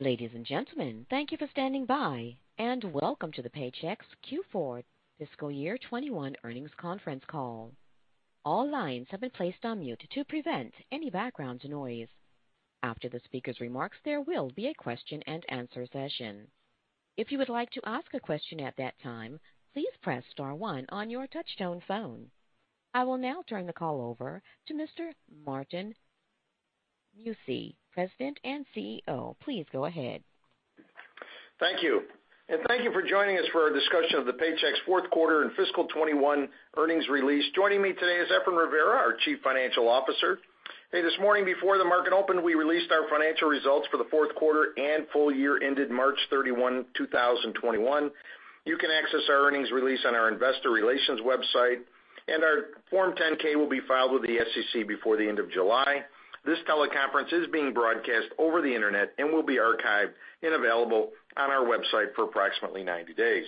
Ladies and gentlemen, thank you for standing by, and welcome to the Paychex Q4 fiscal year 2021 earnings conference call. All lines have been placed on mute to prevent any background noise. After the speaker's remarks, there will be a question and answer session. If you would like to ask a question at that time, please press star one on your touch-tone phone. I will now turn the call over to Mr. Martin Mucci, President and CEO. Please go ahead. Thank you. Thank you for joining us for our discussion of the Paychex fourth quarter and fiscal 2021 earnings release. Joining me today is Efrain Rivera, our Chief Financial Officer. This morning before the market opened, we released our financial results for the fourth quarter and full-year ended March 31, 2021. You can access our earnings release on our Investor Relations website. Our Form 10-K will be filed with the SEC before the end of July. This teleconference is being broadcast over the internet and will be archived and available on our website for approximately 90 days.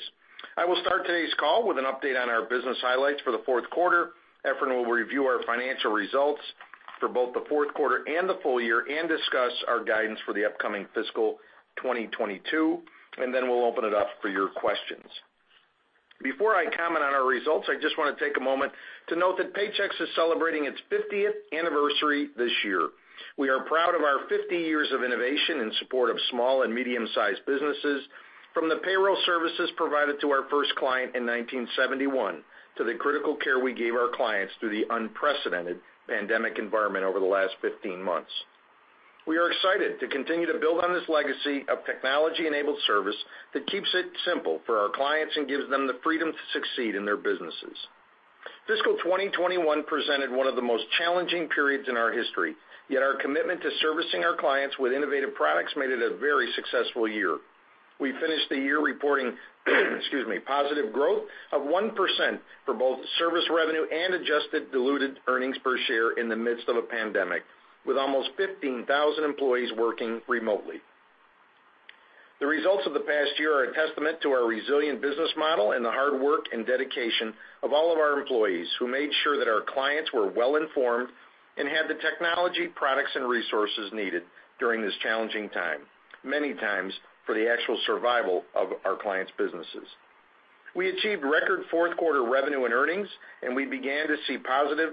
I will start today's call with an update on our business highlights for the fourth quarter. Efrain will review our financial results for both the fourth quarter and the full-year and discuss our guidance for the upcoming fiscal 2022. Then we'll open it up for your questions. Before I comment on our results, I just want to take a moment to note that Paychex is celebrating its 50th anniversary this year. We are proud of our 50 years of innovation in support of small and medium-sized businesses, from the payroll services provided to our first client in 1971 to the critical care we gave our clients through the unprecedented pandemic environment over the last 15 months. We are excited to continue to build on this legacy of technology-enabled service that keeps it simple for our clients and gives them the freedom to succeed in their businesses. Fiscal 2021 presented one of the most challenging periods in our history, yet our commitment to servicing our clients with innovative products made it a very successful year. We finished the year reporting positive growth of 1% for both service revenue and adjusted diluted earnings per share in the midst of a pandemic, with almost 15,000 employees working remotely. The results of the past year are a testament to our resilient business model and the hard work and dedication of all of our employees, who made sure that our clients were well-informed and had the technology, products, and resources needed during this challenging time, many times for the actual survival of our clients' businesses. We achieved record fourth quarter revenue and earnings, as we began to see positive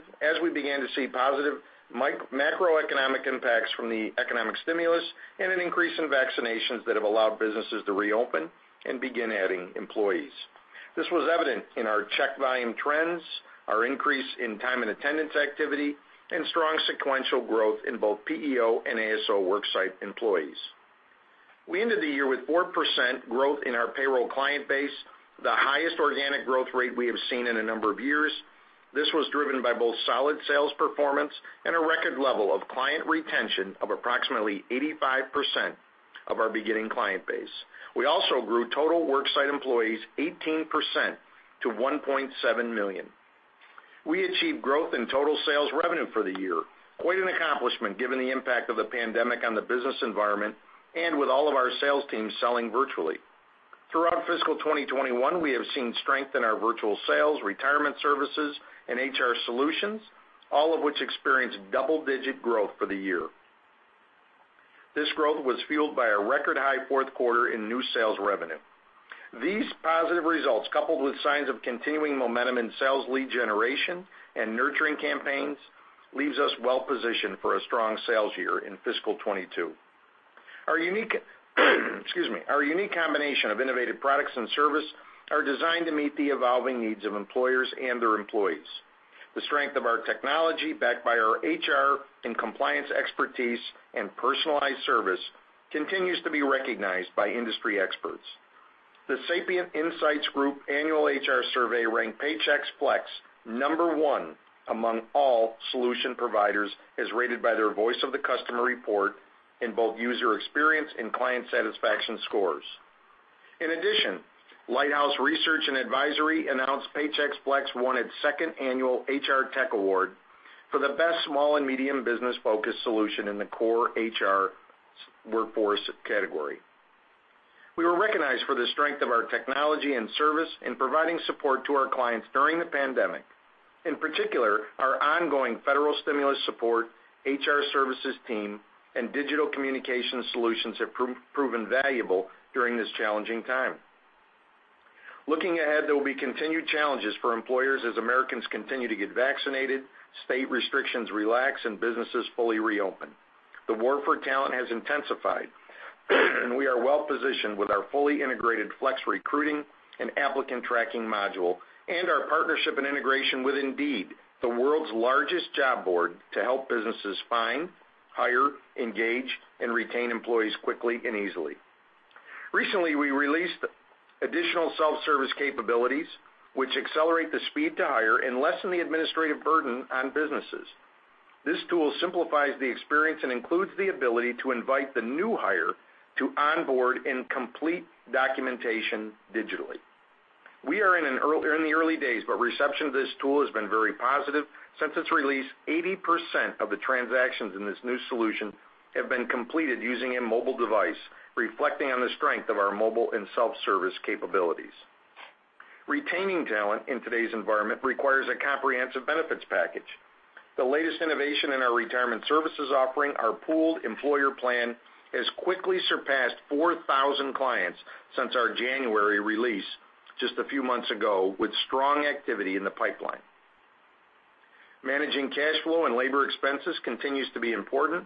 macroeconomic impacts from the economic stimulus and an increase in vaccinations that have allowed businesses to reopen and begin adding employees. This was evident in our check volume trends, our increase in time and attendance activity, and strong sequential growth in both PEO and ASO worksite employees. We ended the year with 4% growth in our payroll client base, the highest organic growth rate we have seen in a number of years. This was driven by both solid sales performance and a record level of client retention of approximately 85% of our beginning client base. We also grew total worksite employees 18% to 1.7 million. We achieved growth in total sales revenue for the year. Quite an accomplishment given the impact of the pandemic on the business environment and with all of our sales teams selling virtually. Throughout fiscal 2021, we have seen strength in our virtual sales, retirement services, and HR solutions, all of which experienced double-digit growth for the year. This growth was fueled by a record high fourth quarter in new sales revenue. These positive results, coupled with signs of continuing momentum in sales lead generation and nurturing campaigns, leaves us well-positioned for a strong sales year in fiscal 2022. Our unique combination of innovative products and service are designed to meet the evolving needs of employers and their employees. The strength of our technology, backed by our HR and compliance expertise and personalized service, continues to be recognized by industry experts. The Sapient Insights Group annual HR survey ranked Paychex Flex number one among all solution providers as rated by their Voice of the Customer report in both user experience and client satisfaction scores. In addition, Lighthouse Research & Advisory announced Paychex Flex won its second annual HR Tech Award for the best small and medium business-focused solution in the core HR workforce category. We were recognized for the strength of our technology and service in providing support to our clients during the pandemic. In particular, our ongoing federal stimulus support, HR services team, and digital communication solutions have proven valuable during this challenging time. Looking ahead, there will be continued challenges for employers as Americans continue to get vaccinated, state restrictions relax, and businesses fully reopen. The war for talent has intensified, and we are well-positioned with our fully integrated Flex Recruiting and applicant tracking module and our partnership and integration with Indeed, the world's largest job board, to help businesses find, hire, engage, and retain employees quickly and easily. Recently, we released additional self-service capabilities, which accelerate the speed to hire and lessen the administrative burden on businesses. This tool simplifies the experience and includes the ability to invite the new hire to onboard and complete documentation digitally. We are in the early days, reception of this tool has been very positive. Since its release, 80% of the transactions in this new solution have been completed using a mobile device, reflecting on the strength of our mobile and self-service capabilities. Retaining talent in today's environment requires a comprehensive benefits package. The latest innovation in our retirement services offering, our pooled employer plan, has quickly surpassed 4,000 clients since our January release just a few months ago, with strong activity in the pipeline. Managing cash flow and labor expenses continues to be important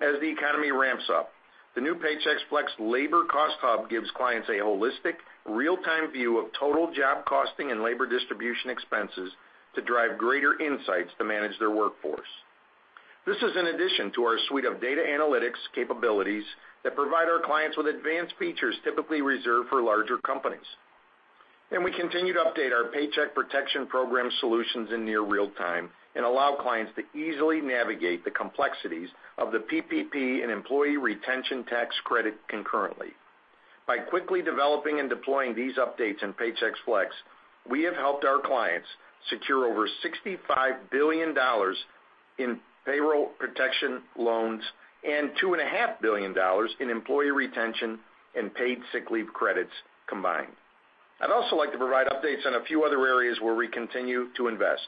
as the economy ramps up. The new Paychex Flex Labor Cost Hub gives clients a holistic, real-time view of total job costing and labor distribution expenses to drive greater insights to manage their workforce. This is in addition to our suite of data analytics capabilities that provide our clients with advanced features typically reserved for larger companies. We continue to update our Paycheck Protection Program solutions in near real time and allow clients to easily navigate the complexities of the PPP and employee retention tax credit concurrently. By quickly developing and deploying these updates in Paychex Flex, we have helped our clients secure over $65 billion in payroll protection loans and $2.5 billion in employee retention and paid sick leave credits combined. I'd also like to provide updates on a few other areas where we continue to invest.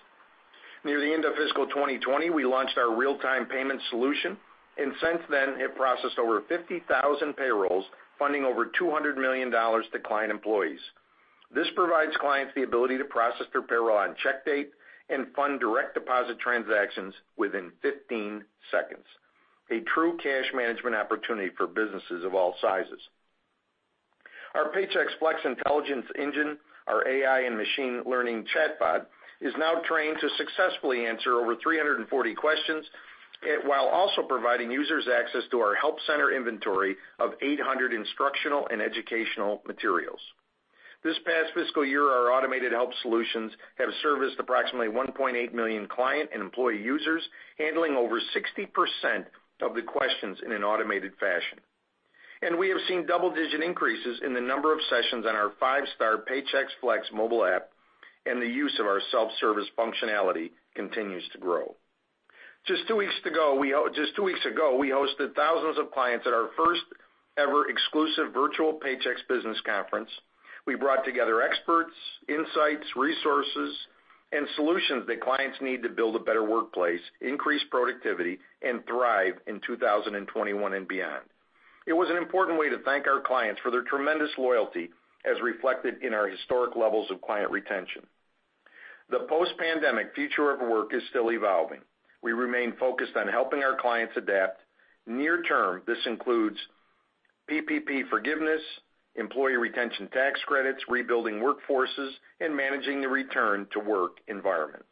Near the end of fiscal 2020, we launched our real-time payment solution, and since then, it processed over 50,000 payrolls, funding over $200 million to client employees. This provides clients the ability to process their payroll on check date and fund direct deposit transactions within 15 seconds, a true cash management opportunity for businesses of all sizes. Our Paychex Flex Intelligence Engine, our AI and machine learning chatbot, is now trained to successfully answer over 340 questions, while also providing users access to our help center inventory of 800 instructional and educational materials. This past fiscal year, our automated help solutions have serviced approximately 1.8 million client and employee users, handling over 60% of the questions in an automated fashion. We have seen double-digit increases in the number of sessions on our five-star Paychex Flex mobile app, and the use of our self-service functionality continues to grow. Just two weeks ago, we hosted thousands of clients at our first ever exclusive virtual Paychex business conference. We brought together experts, insights, resources, and solutions that clients need to build a better workplace, increase productivity, and thrive in 2021 and beyond. It was an important way to thank our clients for their tremendous loyalty, as reflected in our historic levels of client retention. The post-pandemic future of work is still evolving. We remain focused on helping our clients adapt. Near term, this includes PPP forgiveness, employee retention tax credits, rebuilding workforces, and managing the return to work environment.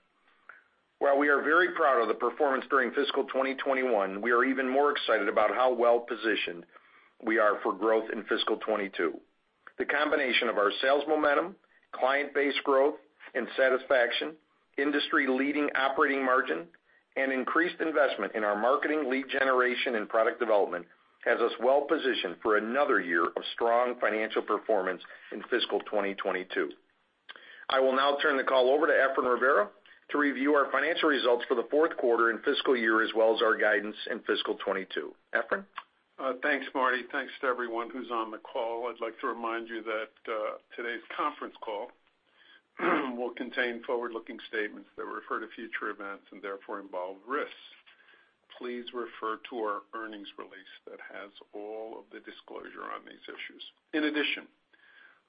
While we are very proud of the performance during fiscal 2021, we are even more excited about how well-positioned we are for growth in fiscal 2022. The combination of our sales momentum, client base growth and satisfaction, industry-leading operating margin, and increased investment in our marketing lead generation and product development has us well-positioned for another year of strong financial performance in fiscal 2022. I will now turn the call over to Efrain Rivera to review our financial results for the fourth quarter and fiscal year, as well as our guidance in fiscal 2022. Efrain? Thanks, Marty. Thanks to everyone who's on the call. I'd like to remind you that today's conference call will contain forward-looking statements that refer to future events and therefore involve risks. Please refer to our earnings release that has all of the disclosure on these issues. In addition,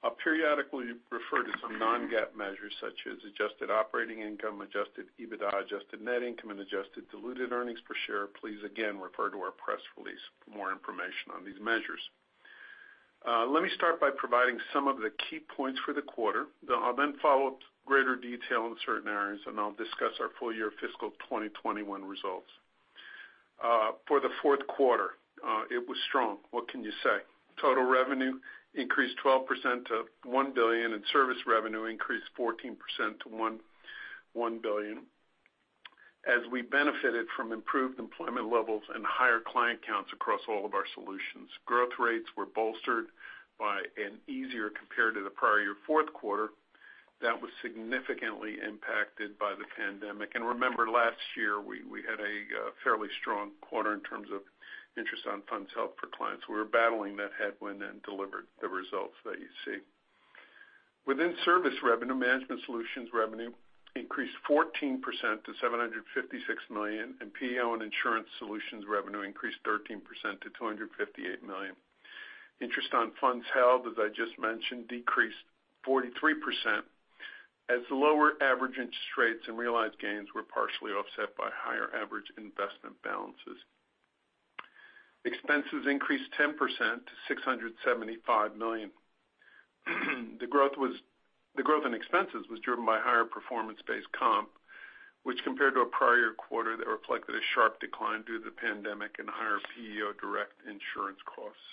I'll periodically refer to some non-GAAP measures, such as adjusted operating income, adjusted EBITDA, adjusted net income, and adjusted diluted earnings per share. Please, again, refer to our press release for more information on these measures. Let me start by providing some of the key points for the quarter. I'll then follow up with greater detail in certain areas, and I'll discuss our full-year fiscal 2021 results. For the fourth quarter, it was strong. What can you say? Total revenue increased 12% to $1 billion, and service revenue increased 14% to $1 billion, as we benefited from improved employment levels and higher client counts across all of our solutions. Growth rates were bolstered by an easier compare to the prior year fourth quarter that was significantly impacted by the pandemic. Remember, last year, we had a fairly strong quarter in terms of interest on funds held for clients. We were battling that headwind and delivered the results that you see. Within service revenue, management solutions revenue increased 14% to $756 million, and PEO and insurance solutions revenue increased 13% to $258 million. Interest on funds held, as I just mentioned, decreased 43%, as lower average interest rates and realized gains were partially offset by higher average investment balances. Expenses increased 10% to $675 million. The growth in expenses was driven by higher performance-based comp, which compared to a prior year quarter that reflected a sharp decline due to the pandemic and higher PEO direct insurance costs.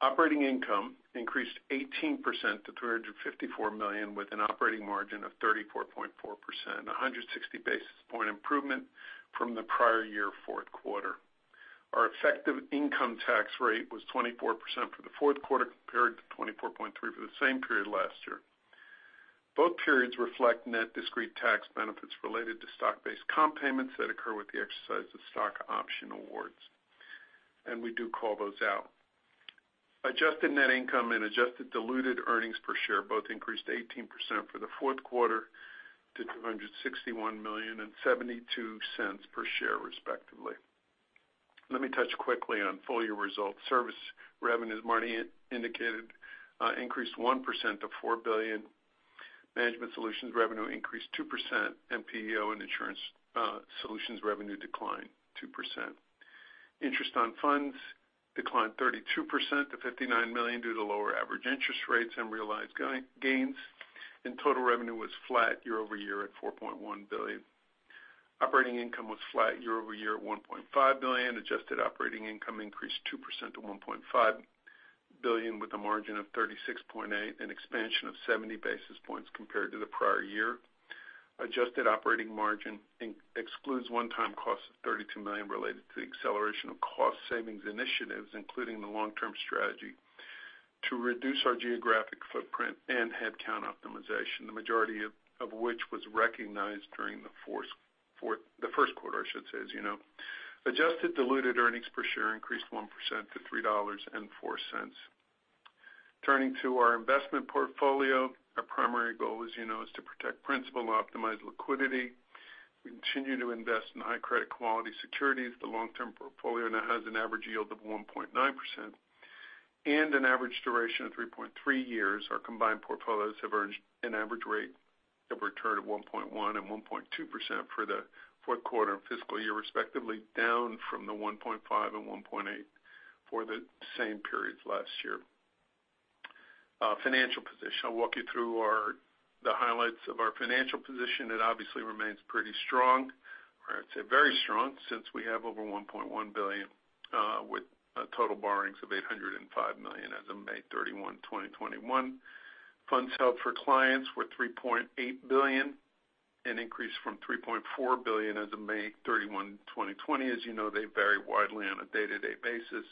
Operating income increased 18% to $354 million, with an operating margin of 34.4%, 160 basis point improvement from the prior year fourth quarter. Our effective income tax rate was 24% for the fourth quarter, compared to 24.3% for the same period last year. Both periods reflect net discrete tax benefits related to stock-based comp payments that occur with the exercise of stock option awards. We do call those out. Adjusted net income and adjusted diluted earnings per share both increased 18% for the fourth quarter to $261 million and $0.72 per share, respectively. Let me touch quickly on full-year results. Service revenues, Marty indicated, increased 1% to $4 billion. Management solutions revenue increased 2%, and PEO and insurance solutions revenue declined 2%. Interest on funds declined 32% to $59 million due to lower average interest rates and realized gains. Total revenue was flat year-over-year at $4.1 billion. Operating income was flat year-over-year at $1.5 billion. Adjusted operating income increased 2% to $1.5 billion, with a margin of 36.8%, an expansion of 70 basis points compared to the prior year. Adjusted operating margin excludes one-time costs of $32 million related to the acceleration of cost savings initiatives, including the long-term strategy to reduce our geographic footprint and headcount optimization, the majority of which was recognized during the first quarter, as you know. Adjusted diluted earnings per share increased 1% to $3.04. Turning to our investment portfolio, our primary goal, as you know, is to protect principal and optimize liquidity. We continue to invest in high credit quality securities. The long-term portfolio now has an average yield of 1.9% and an average duration of 3.3 years. Our combined portfolios have earned an average rate of return of 1.1% and 1.2% for the fourth quarter and fiscal year respectively, down from the 1.5% and 1.8% for the same periods last year. Financial position. I'll walk you through the highlights of our financial position. It obviously remains pretty strong, or I'd say very strong, since we have over $1.1 billion with total borrowings of $805 million as of May 31, 2021. Funds held for clients were $3.8 billion, an increase from $3.4 billion as of May 31, 2020. As you know, they vary widely on a day-to-day basis,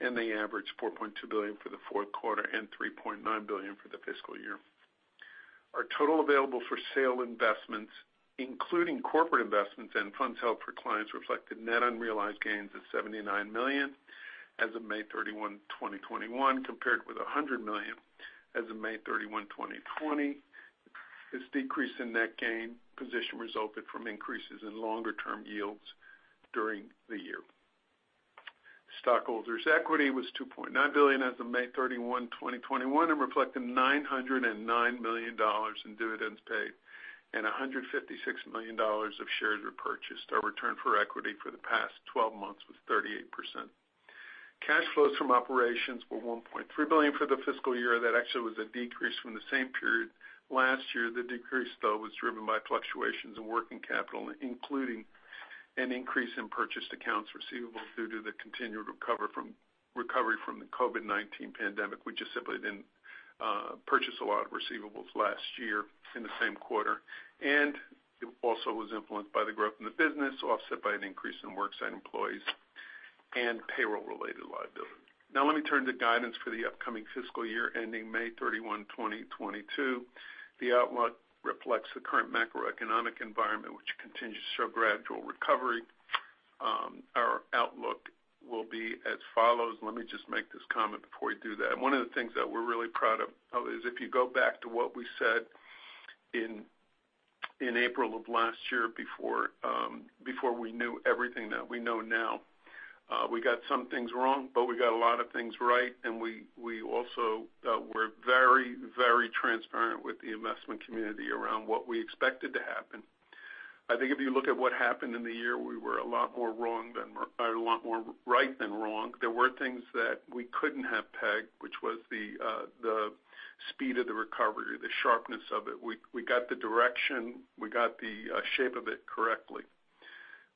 and they averaged $4.2 billion for the fourth quarter and $3.9 billion for the fiscal year. Our total available-for-sale investments, including corporate investments and funds held for clients, reflected net unrealized gains of $79 million as of May 31, 2021, compared with $100 million as of May 31, 2020. This decrease in net gain position resulted from increases in longer-term yields during the year. Stockholders' equity was $2.9 billion as of May 31, 2021, and reflected $909 million in dividends paid and $156 million of shares repurchased. Our return for equity for the past 12 months was 38%. Cash flows from operations were $1.3 billion for the fiscal year. That actually was a decrease from the same period last year. The decrease, though, was driven by fluctuations in working capital, including an increase in purchased accounts receivable due to the continued recovery from the COVID-19 pandemic. We just simply didn't purchase a lot of receivables last year in the same quarter. It also was influenced by the growth in the business, offset by an increase in worksite employees and payroll-related liability. Now let me turn to guidance for the upcoming fiscal year ending May 31, 2022. The outlook reflects the current macroeconomic environment, which continues to show gradual recovery. Our outlook will be as follows. Let me just make this comment before we do that. One of the things that we're really proud of is if you go back to what we said in April of last year before we knew everything that we know now, we got some things wrong, but we got a lot of things right, and we also were very transparent with the investment community around what we expected to happen. I think if you look at what happened in the year, we were a lot more right than wrong. There were things that we couldn't have pegged, which was the speed of the recovery, the sharpness of it. We got the direction, we got the shape of it correctly.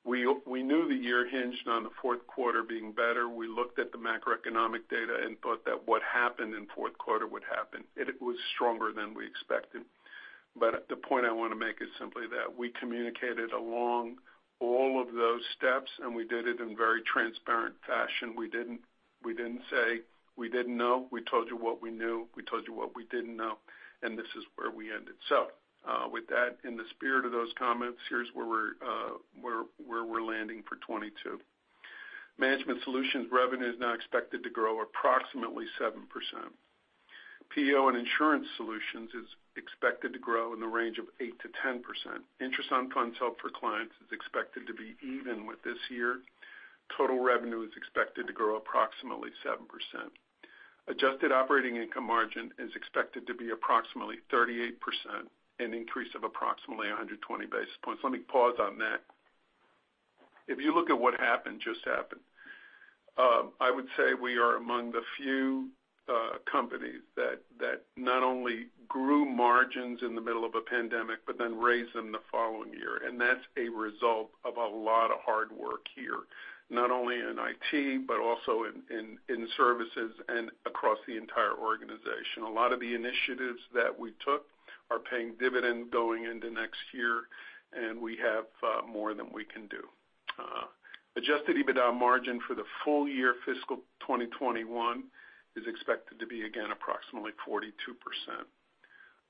We knew the year hinged on the fourth quarter being better. We looked at the macroeconomic data and thought that what happened in fourth quarter would happen, and it was stronger than we expected. The point I want to make is simply that we communicated along all of those steps, and we did it in very transparent fashion. We didn't say we didn't know. We told you what we knew, we told you what we didn't know, and this is where we ended. With that, in the spirit of those comments, here's where we're landing for 2022. Management solutions revenue is now expected to grow approximately 7%. PEO and insurance solutions is expected to grow in the range of 8%-10%. Interest on funds held for clients is expected to be even with this year. Total revenue is expected to grow approximately 7%. Adjusted operating income margin is expected to be approximately 38%, an increase of approximately 120 basis points. Let me pause on that. If you look at what happened just happened, I would say we are among the few companies that not only grew margins in the middle of a pandemic but then raised them the following year. That's a result of a lot of hard work here, not only in IT but also in services and across the entire organization. A lot of the initiatives that we took are paying dividends going into next year, and we have more than we can do. Adjusted EBITDA margin for the full-year fiscal 2021 is expected to be, again, approximately 42%.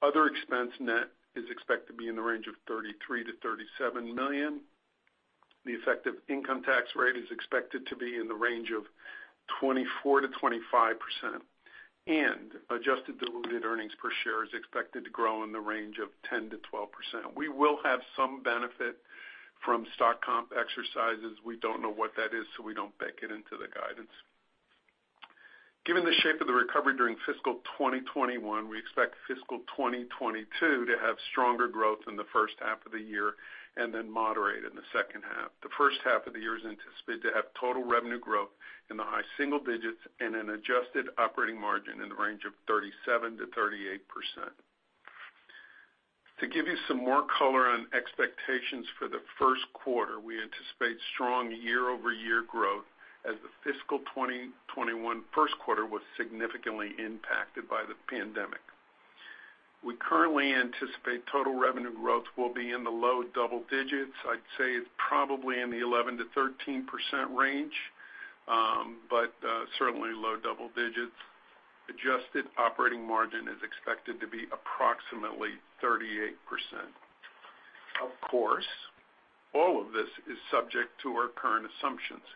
Other expense net is expected to be in the range of $33 million-$37 million. The effective income tax rate is expected to be in the range of 24%-25%. Adjusted diluted earnings per share is expected to grow in the range of 10%-12%. We will have some benefit from stock comp exercises. We don't know what that is, so we don't bake it into the guidance. Given the shape of the recovery during fiscal 2021, we expect fiscal 2022 to have stronger growth in the first half of the year and then moderate in the second half. The first half of the year is anticipated to have total revenue growth in the high single digits and an adjusted operating margin in the range of 37%-38%. To give you some more color on expectations for the first quarter, we anticipate strong year-over-year growth as the fiscal 2021 first quarter was significantly impacted by the pandemic. We currently anticipate total revenue growth will be in the low double digits. I'd say it's probably in the 11%-13% range, but certainly low double digits. Adjusted operating margin is expected to be approximately 38%. Of course, all of this is subject to our current assumptions,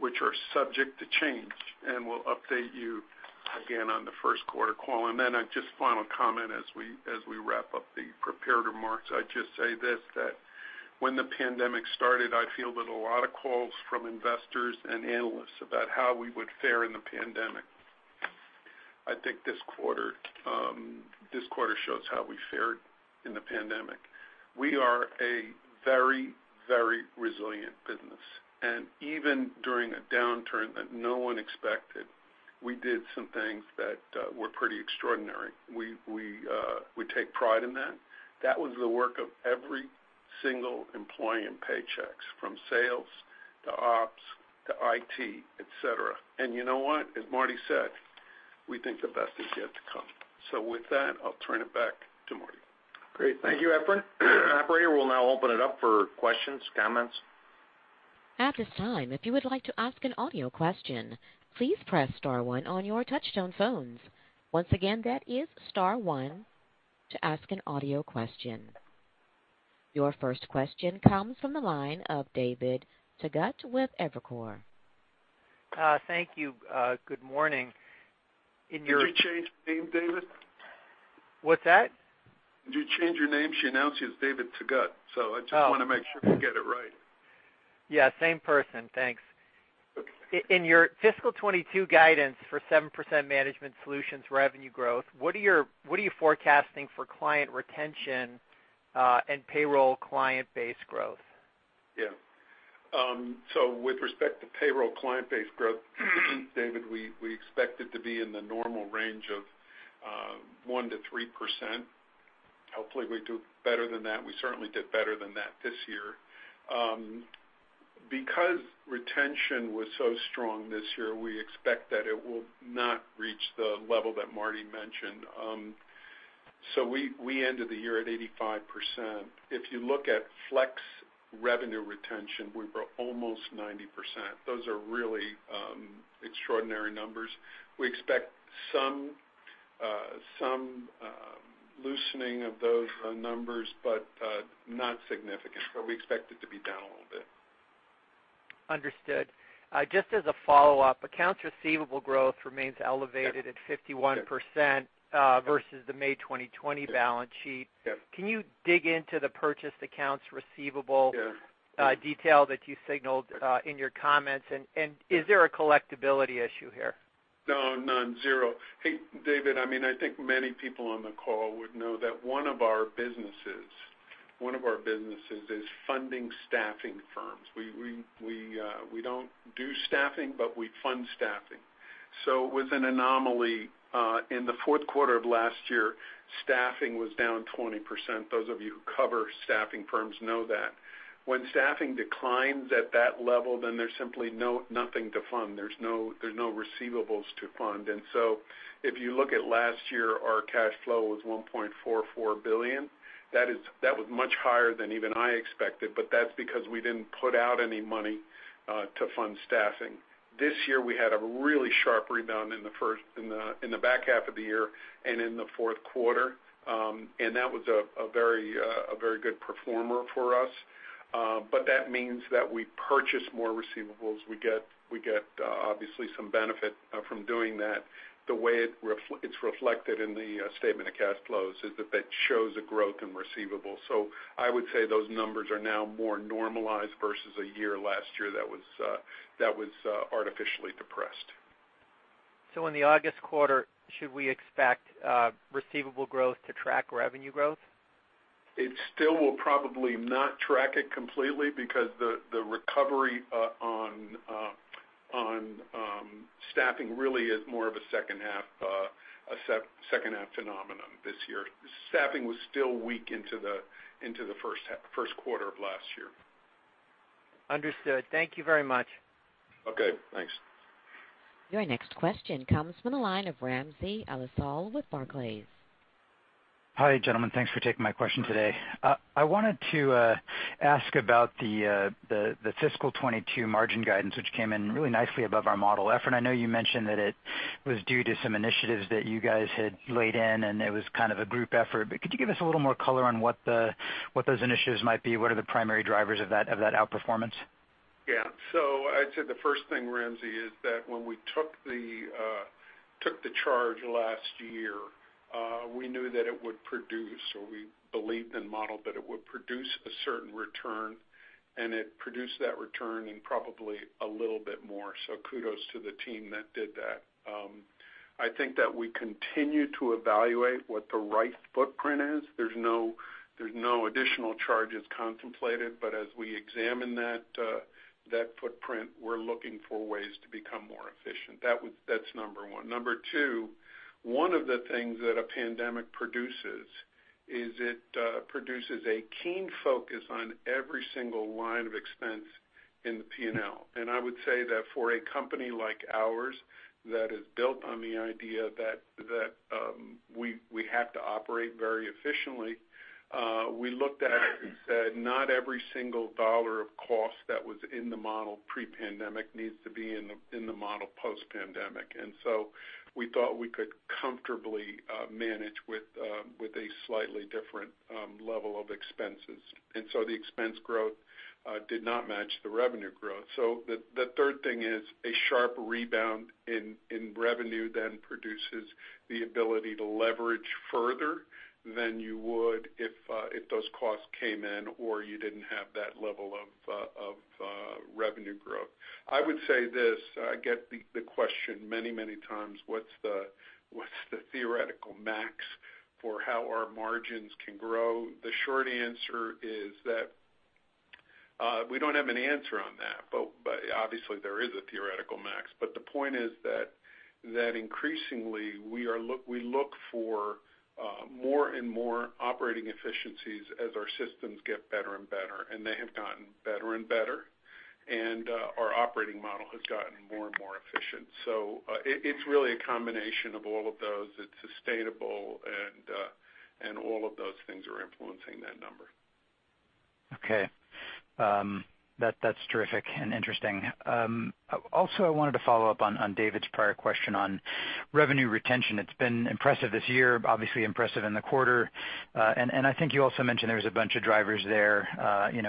which are subject to change, and we'll update you again on the first quarter call. Just a final comment as we wrap up the prepared remarks. I'd just say this, that when the pandemic started, I fielded a lot of calls from investors and analysts about how we would fare in the pandemic. I think this quarter shows how we fared in the pandemic. We are a very resilient business, and even during a downturn that no one expected, we did some things that were pretty extraordinary. We take pride in that. That was the work of every single employee in Paychex, from sales to ops to IT, et cetera. You know what? As Marty said, we think the best is yet to come. With that, I'll turn it back to Marty. Great. Thank you, Efrain. Operator will now open it up for questions, comments. Your first question comes from the line of David Togut with Evercore. Thank you. Good morning. Did you change your name, David? What's that? Did you change your name? She announced you as David Togut, so I just want to make sure to get it right. Yeah, same person. Thanks. In your fiscal 2022 guidance for 7% management solutions revenue growth, what are you forecasting for client retention and payroll client base growth? Yeah. With respect to payroll client base growth, David, we expect it to be in the normal range of 1%-3%. Hopefully, we do better than that. We certainly did better than that this year. Because retention was so strong this year, we expect that it will not reach the level that Marty mentioned. We ended the year at 85%. If you look at Flex revenue retention, we were almost 90%. Those are really extraordinary numbers. We expect some loosening of those numbers, but not significant. We expect it to be down a little bit. Understood. Just as a follow-up, accounts receivable growth remains elevated at 51% versus the May 2020 balance sheet. Yes. Can you dig into the purchase accounts receivable detail that you signaled in your comments? Is there a collectibility issue here? No. None. Zero. Hey, David, I think many people on the call would know that one of our businesses is funding staffing firms. We don't do staffing, but we fund staffing. It was an anomaly. In the fourth quarter of last year, staffing was down 20%. Those of you who cover staffing firms know that. When staffing declines at that level, then there's simply nothing to fund. There's no receivables to fund. If you look at last year, our cash flow was $1.44 billion. That was much higher than even I expected, but that's because we didn't put out any money to fund staffing. This year, we had a really sharp rebound in the back half of the year and in the fourth quarter. That was a very good performer for us. That means that we purchase more receivables. We get, obviously, some benefit from doing that. The way it's reflected in the statement of cash flows is that that shows a growth in receivables. I would say those numbers are now more normalized versus a year last year that was artificially depressed. In the August quarter, should we expect receivable growth to track revenue growth? It still will probably not track it completely because the recovery on staffing really is more of a second half phenomenon this year. Staffing was still weak into the first quarter of last year. Understood. Thank you very much. Okay, thanks. Your next question comes from the line of Ramsey El-Assal with Barclays. Hi, gentlemen. Thanks for taking my question today. I wanted to ask about the fiscal 2022 margin guidance, which came in really nicely above our model. Efrain, I know you mentioned that it was due to some initiatives that you guys had laid in, and it was kind of a group effort, but could you give us a little more color on what those initiatives might be? What are the primary drivers of that outperformance? I'd say the first thing, Ramsey, is that when we took the charge last year, we knew that it would produce, or we believed and modeled that it would produce a certain return, and it produced that return and probably a little bit more. Kudos to the team that did that. I think that we continue to evaluate what the right footprint is. There's no additional charges contemplated, as we examine that footprint, we're looking for ways to become more efficient. That's number one. Number two, one of the things that a pandemic produces is it produces a keen focus on every single line of expense in the P&L. I would say that for a company like ours, that is built on the idea that we have to operate very efficiently, we looked at it and said, not every single dollar of cost that was in the model pre-pandemic needs to be in the model post-pandemic. We thought we could comfortably manage with a slightly different level of expenses. The expense growth did not match the revenue growth. The third thing is a sharp rebound in revenue then produces the ability to leverage further than you would if those costs came in or you didn't have that level of revenue growth. I would say this, I get the question many times, what's the theoretical max for how our margins can grow? The short answer is that we don't have an answer on that, but obviously there is a theoretical max. The point is that increasingly we look for more and more operating efficiencies as our systems get better and better, and they have gotten better and better. Our operating model has gotten more and more efficient. It's really a combination of all of those. It's sustainable and all of those things are influencing that number. Okay. That's terrific and interesting. Also, I wanted to follow up on David's prior question on revenue retention. It's been impressive this year, obviously impressive in the quarter. I think you also mentioned there's a bunch of drivers there,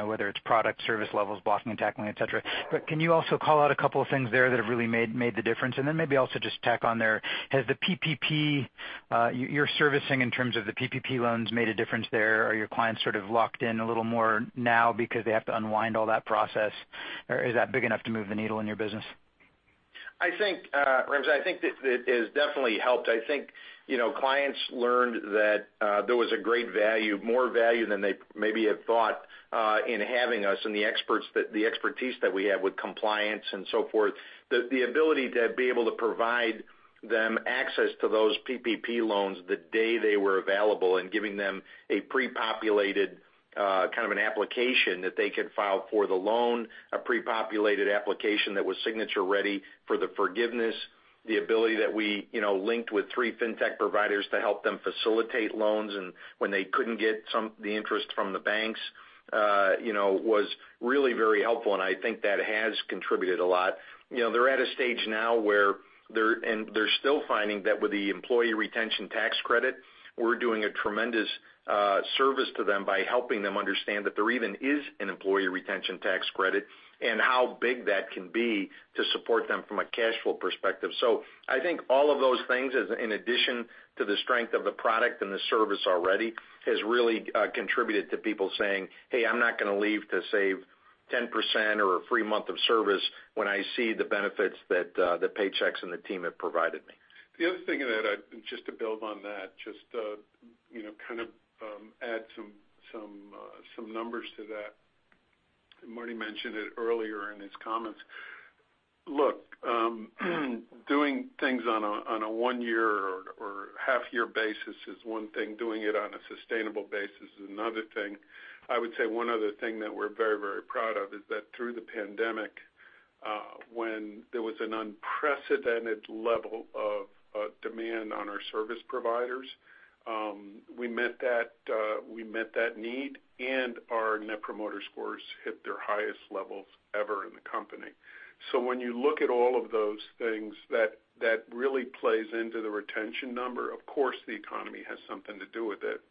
whether it's product service levels, blocking, tackling, et cetera. Can you also call out a couple of things there that really made the difference? Then maybe also just tack on there, has the PPP you're servicing in terms of the PPP loans made a difference there? Are your clients sort of locked in a little more now because they have to unwind all that process, or is that big enough to move the needle in your business? I think, Ramsey, I think that it has definitely helped. I think clients learned that there was a great value, more value than they maybe had thought, in having us and the expertise that we have with compliance and so forth. The ability to be able to provide them access to those PPP loans the day they were available and giving them a pre-populated application that they could file for the loan, a pre-populated application that was signature ready for the forgiveness. The ability that we linked with three fintech providers to help them facilitate loans and when they couldn't get the interest from the banks was really very helpful, and I think that has contributed a lot. They're at a stage now where they're still finding that with the employee retention tax credit, we're doing a tremendous service to them by helping them understand that there even is an employee retention tax credit and how big that can be to support them from a cash flow perspective. I think all of those things, in addition to the strength of the product and the service already, has really contributed to people saying, "Hey, I'm not going to leave to save 10% or a free month of service when I see the benefits that the Paychex and the team have provided me." The other thing that, just to build on that, just to add some numbers to that. Marty mentioned it earlier in his comments. Look, doing things on a one year or half-year basis is one thing. Doing it on a sustainable basis is another thing. I would say one other thing that we're very proud of is that through the pandemic, when there was an unprecedented level of demand on our service providers, we met that need and our net promoter scores hit their highest levels ever in the company. When you look at all of those things, that really plays into the retention number. Of course, the economy has something to do with it.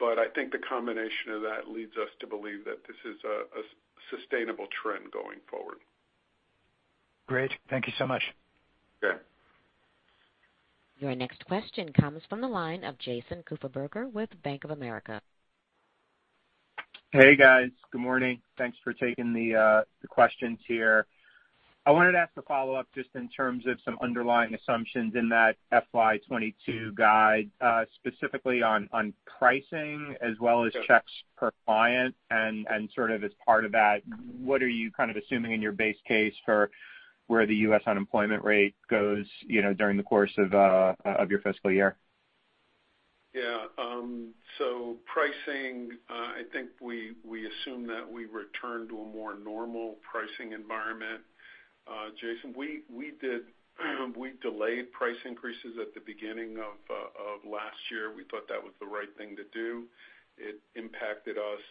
I think the combination of that leads us to believe that this is a sustainable trend going forward. Great. Thank you so much. Okay. Your next question comes from the line of Jason Kupferberg with Bank of America. Hey, guys. Good morning. Thanks for taking the questions here. I wanted to ask a follow-up just in terms of some underlying assumptions in that FY 2022 guide, specifically on pricing as well as checks per client and sort of as part of that, what are you kind of assuming in your base case for where the U.S. unemployment rate goes during the course of your fiscal year? Yeah. Pricing, I think we assume that we return to a more normal pricing environment. Jason, we delayed price increases at the beginning of last year. We thought that was the right thing to do. It impacted us,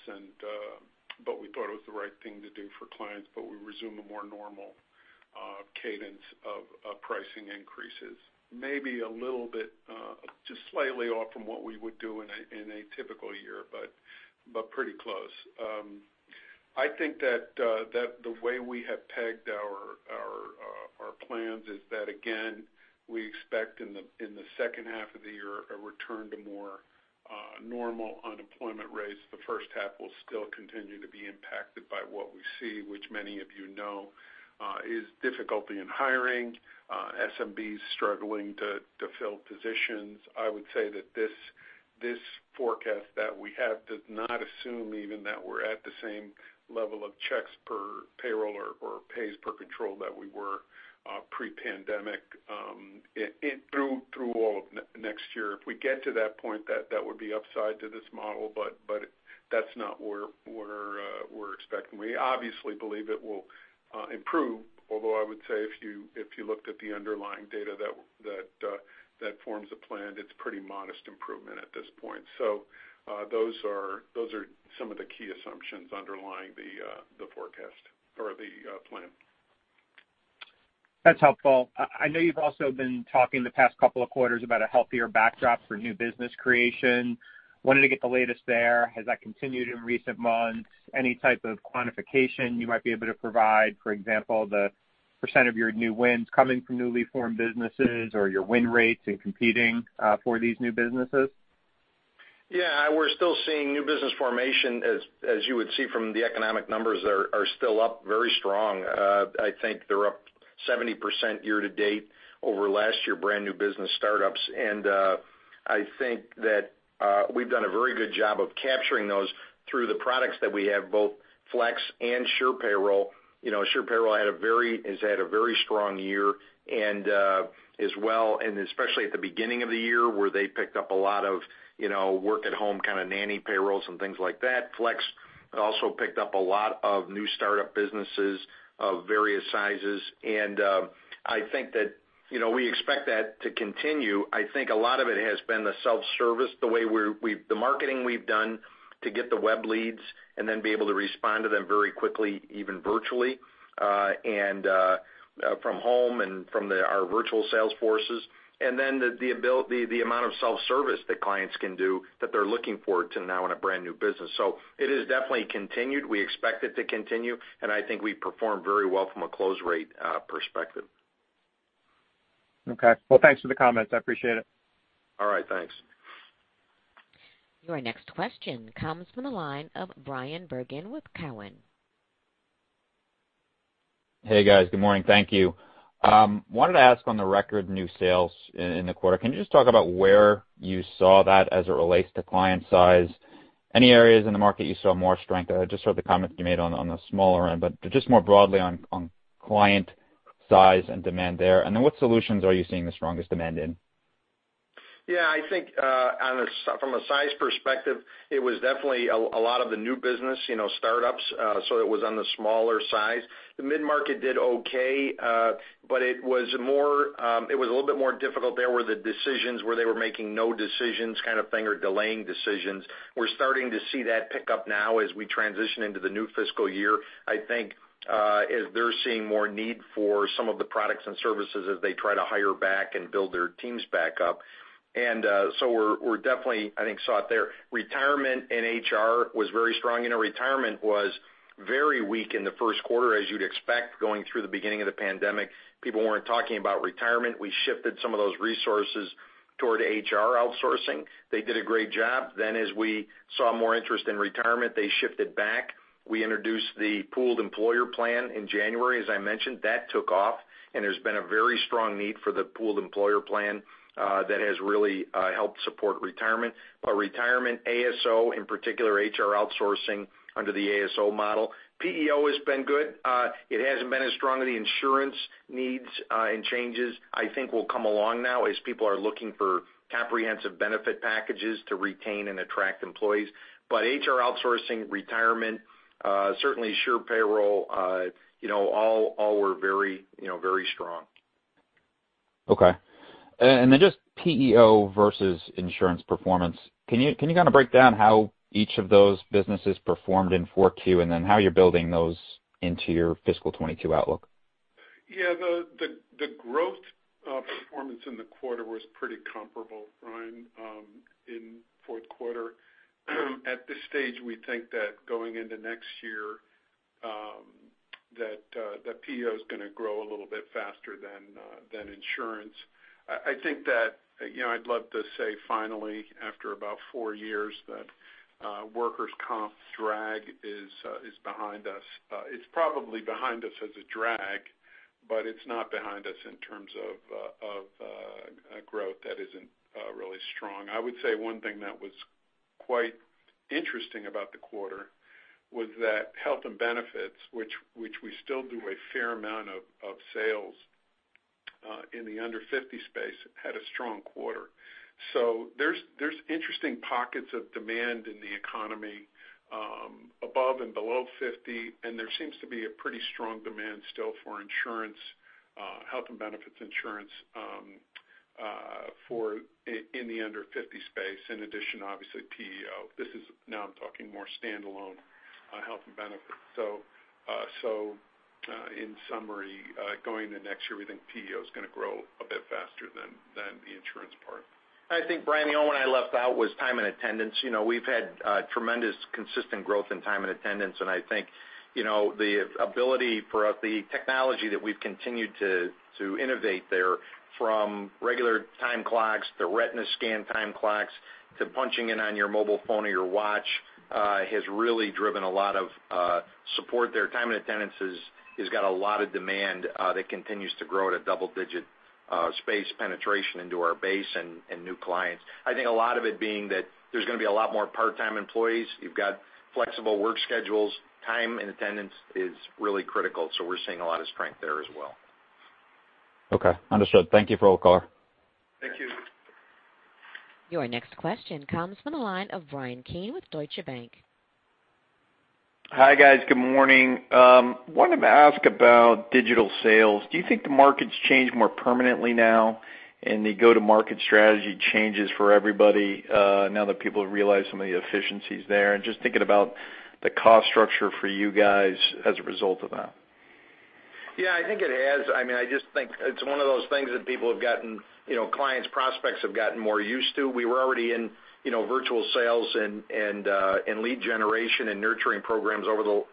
but we thought it was the right thing to do for clients. We resume the more normal cadence of pricing increases. Maybe a little bit, just slightly off from what we would do in a typical year, but pretty close. I think that the way we have pegged our plans is that, again, we expect in the second half of the year, a return to more normal unemployment rates. The first half will still continue to be impacted by what we see, which many of you know is difficulty in hiring, SMBs struggling to fill positions. I would say that this forecast that we have does not assume even that we're at the same level of checks per payroll or pays per control that we were pre-pandemic through all of next year. If we get to that point, that would be upside to this model, but that's not where we're expecting. We obviously believe it will improve, although I would say if you looked at the underlying data that forms the plan, it's pretty modest improvement at this point. Those are some of the key assumptions underlying the forecast or the plan. That's helpful. I know you've also been talking the past couple of quarters about a healthier backdrop for new business creation. I wanted to get the latest there. Has that continued in recent months? Any type of quantification you might be able to provide, for example, the percent of your new wins coming from newly formed businesses or your win rates in competing for these new businesses? We're still seeing new business formation, as you would see from the economic numbers, are still up very strong. I think they're up 70% year-to-date over last year, brand new business startups. I think that we've done a very good job of capturing those through the products that we have, both Flex and SurePayroll. SurePayroll has had a very strong year as well, and especially at the beginning of the year, where they picked up a lot of work at home, nanny payrolls, and things like that. Flex also picked up a lot of new startup businesses of various sizes. I think that we expect that to continue. I think a lot of it has been the self-service, the marketing we've done to get the web leads and then be able to respond to them very quickly, even virtually, and from home and from our virtual sales forces. The amount of self-service that clients can do that they're looking forward to now in a brand new business. It has definitely continued. We expect it to continue, and I think we perform very well from a close rate perspective. Okay. Well, thanks for the comments. I appreciate it. All right. Thanks. Your next question comes from the line of Bryan Bergin with Cowen. Hey, guys. Good morning. Thank you. Wanted to ask on the record new sales in the quarter. Can you just talk about where you saw that as it relates to client size? Any areas in the market you saw more strength? I just heard the comment you made on the smaller end, but just more broadly on client size and demand there. What solutions are you seeing the strongest demand in? Yeah, I think from a size perspective, it was definitely a lot of the new business, startups. It was on the smaller size. The mid-market did okay, but it was a little bit more difficult there where the decisions where they were making no decisions kind of thing or delaying decisions. We're starting to see that pick up now as we transition into the new fiscal year. I think as they're seeing more need for some of the products and services as they try to hire back and build their teams back up. We're definitely, I think, saw it there. Retirement and HR was very strong. Retirement was very weak in the first quarter, as you'd expect, going through the beginning of the pandemic. People weren't talking about retirement. We shifted some of those resources toward HR outsourcing. They did a great job. As we saw more interest in retirement, they shifted back. We introduced the pooled employer plan in January, as I mentioned. That took off, and there's been a very strong need for the pooled employer plan that has really helped support retirement. Retirement, ASO in particular, HR outsourcing under the ASO model. PEO has been good. It hasn't been as strong. The insurance needs and changes, I think, will come along now as people are looking for comprehensive benefit packages to retain and attract employees. HR outsourcing, retirement, certainly SurePayroll, all were very strong. Okay. Just PEO versus insurance performance. Can you break down how each of those businesses performed in Q4, and then how you're building those into your fiscal 2022 outlook? Yeah. The growth performance in the quarter was pretty comparable, Bryan, in fourth quarter. At this stage, we think that going into next year, that PEO is going to grow a little bit faster than insurance. I think that I'd love to say finally, after about four years, that workers' comp's drag is behind us. It's probably behind us as a drag, but it's not behind us in terms of growth that isn't really strong. I would say one thing that was quite interesting about the quarter was that health and benefits, which we still do a fair amount of sales in the under 50 space, had a strong quarter. There's interesting pockets of demand in the economy above and below 50, and there seems to be a pretty strong demand still for health and benefits insurance, in the under 50 space. In addition, obviously PEO. Now I'm talking more standalone health and benefits. In summary, going into next year, we think PEO is going to grow a bit faster than the insurance part. I think, Bryan, the only one I left out was time and attendance. I think, the technology that we've continued to innovate there from regular time clocks to retina scan time clocks to punching in on your mobile phone or your watch, has really driven a lot of support there. Time and attendance has got a lot of demand that continues to grow at a double-digit pace penetration into our base and new clients. I think a lot of it being that there's going to be a lot more part-time employees. You've got flexible work schedules. Time and attendance is really critical. We're seeing a lot of strength there as well. Okay. Understood. Thank you for all the color. Thank you. Your next question comes from the line of Bryan Keane with Deutsche Bank. I wanted to ask about digital sales. Do you think the market's changed more permanently now, and the go-to-market strategy changes for everybody, now that people realize some of the efficiencies there? Just thinking about the cost structure for you guys as a result of that. Yeah, I think it has. I just think it's one of those things that clients, prospects have gotten more used to. We were already in virtual sales and lead generation and nurturing programs,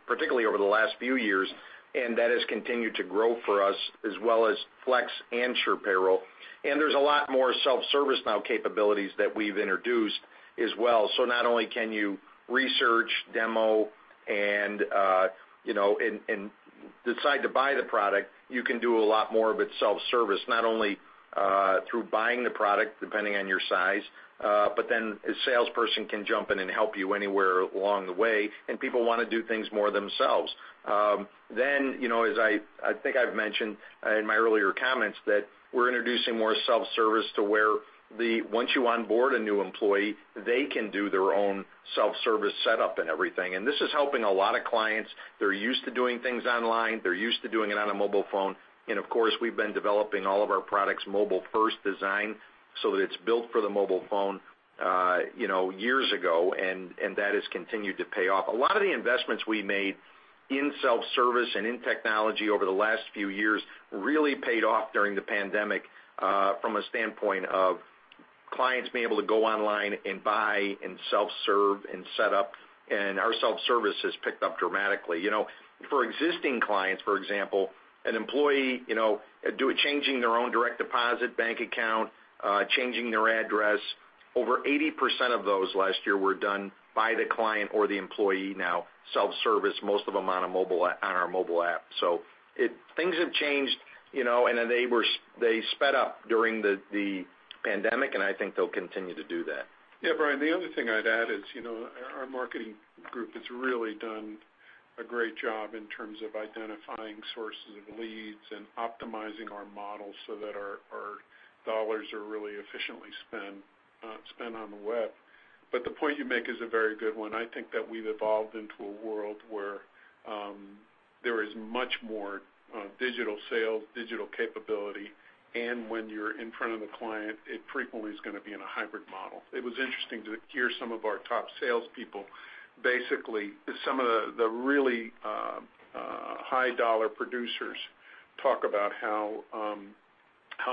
particularly over the last few years, and that has continued to grow for us as well as Flex and SurePayroll. There's a lot more self-service now capabilities that we've introduced as well. Not only can you research, demo, and decide to buy the product, you can do a lot more of it self-service, not only through buying the product, depending on your size, but then a salesperson can jump in and help you anywhere along the way, and people want to do things more themselves. As I think I've mentioned in my earlier comments, that we're introducing more self-service to where once you onboard a new employee, they can do their own self-service setup and everything. This is helping a lot of clients. They're used to doing things online. They're used to doing it on a mobile phone. Of course, we've been developing all of our products mobile first design, so it's built for the mobile phone, years ago, and that has continued to pay off. A lot of the investments we made in self-service and in technology over the last few years really paid off during the pandemic, from a standpoint of clients being able to go online and buy and self-serve and set up, and our self-service has picked up dramatically. For existing clients, for example, an employee changing their own direct deposit bank account, changing their address, over 80% of those last year were done by the client or the employee now self-service, most of them on our mobile app. Things have changed, and they sped up during the pandemic, and I think they'll continue to do that. Bryan, the other thing I'd add is our marketing group has really done a great job in terms of identifying sources of leads and optimizing our models so that our dollars are really efficiently spent on the web. The point you make is a very good one. I think that we've evolved into a world where there is much more digital sales, digital capability, and when you're in front of the client, it frequently is going to be in a hybrid model. It was interesting to hear some of our top salespeople, basically some of the really high dollar producers talk about how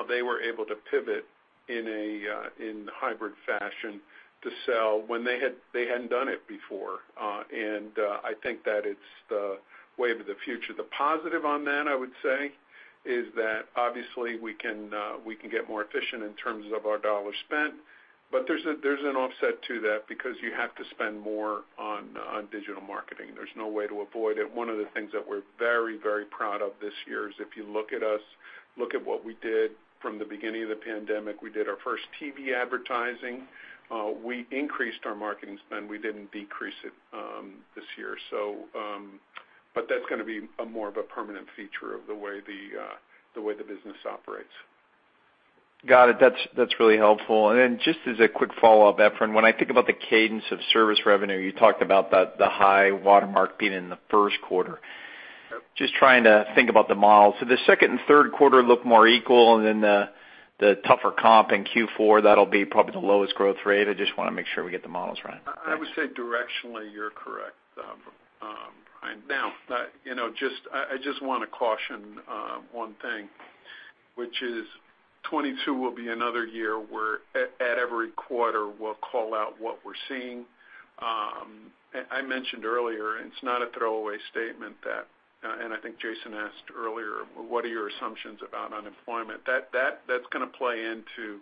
they were able to pivot in hybrid fashion to sell when they hadn't done it before. I think that it's the wave of the future. The positive on that, I would say, is that obviously we can get more efficient in terms of our dollars spent, but there's an offset to that because you have to spend more on digital marketing. There's no way to avoid it. One of the things that we're very proud of this year is if you look at us, look at what we did from the beginning of the pandemic, we did our first TV advertising. We increased our marketing spend. We didn't decrease it this year. That's going to be a more of a permanent feature of the way the business operates. Got it. That's really helpful. Then just as a quick follow-up, Efrain, when I think about the cadence of service revenue, you talked about the high watermark being in the first quarter. Just trying to think about the model. The second and third quarter look more equal. Then the tougher comp in Q4, that'll be probably the lowest growth rate. I just want to make sure we get the models right. I would say directionally you're correct. I just want to caution one thing, which is 2022 will be another year where at every quarter we'll call out what we're seeing. I mentioned earlier, it's not a throwaway statement that, and I think Jason asked earlier, what are your assumptions about unemployment? That's going to play into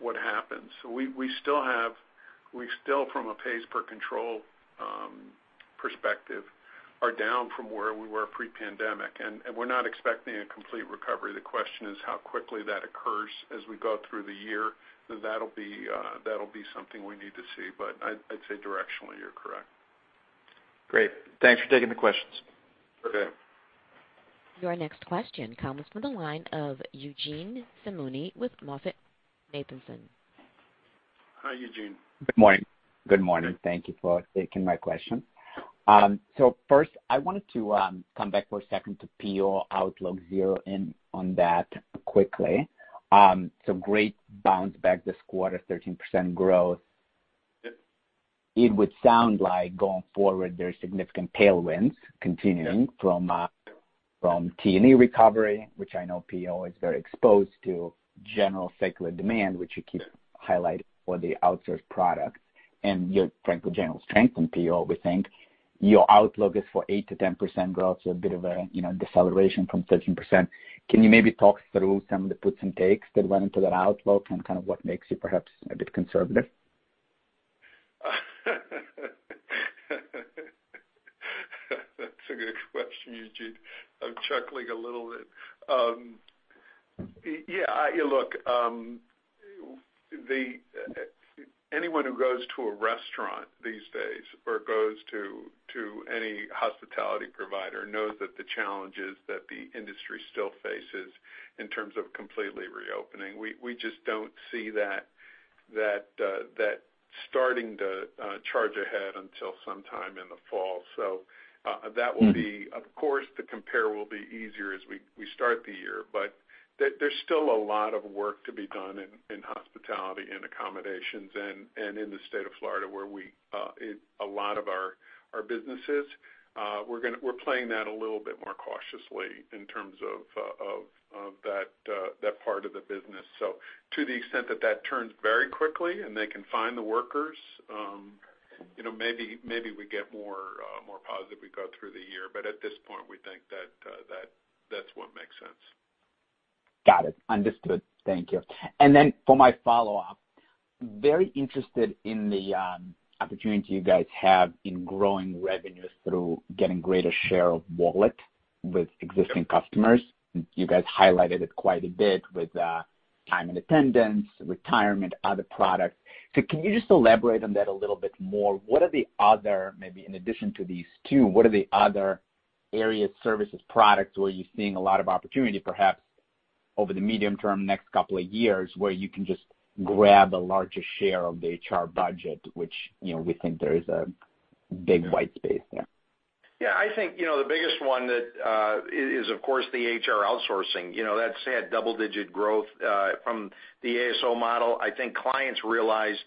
what happens. We still from a pays per control perspective, are down from where we were pre-pandemic, and we're not expecting a complete recovery. The question is how quickly that occurs as we go through the year. That'll be something we need to see. I'd say directionally you're correct. Great. Thanks for taking the questions. Okay. Your next question comes from the line of Eugene Simuni with MoffettNathanson. Hi, Eugene. Good morning. Thank you for taking my question. First, I wanted to come back for a second to PEO outlook zero in on that quickly. Great bounce back this quarter, 13% growth. It would sound like going forward, there's significant tailwinds continuing from T&E recovery, which I know PEO is very exposed to, general secular demand, which you keep highlighting for the outsourced products, and frankly, general strength from PEO, we think. Your outlook is for 8%-10% growth, so a bit of a deceleration from 13%. Can you maybe talk through some of the puts and takes that went into that outlook and what makes you perhaps a bit conservative? That's a good question, Eugene. I'm chuckling a little bit. Yeah, look, anyone who goes to a restaurant these days or goes to any hospitality provider knows that the challenges that the industry still faces in terms of completely reopening. We just don't see that starting to charge ahead until sometime in the fall. Of course, the compare will be easier as we start the year, but there's still a lot of work to be done in hospitality and accommodations and in the state of Florida, where a lot of our business is. We're playing that a little bit more cautiously in terms of that part of the business. To the extent that that turns very quickly and they can find the workers, maybe we get more positive as we go through the year. At this point, we think that's what makes sense. Got it. Understood. Thank you. For my follow-up, very interested in the opportunity you guys have in growing revenues through getting greater share of wallet with existing customers. You guys highlighted it quite a bit with time and attendance, retirement, other products. Can you just elaborate on that a little bit more? What are the other, maybe in addition to these two, what are the other areas, services, products, where you're seeing a lot of opportunity, perhaps over the medium term, next couple of years, where you can just grab a larger share of the HR budget, which we think there is a big white space there. Yeah. I think the biggest one that is, of course, the HR outsourcing. That's had double-digit growth from the ASO model. I think clients realized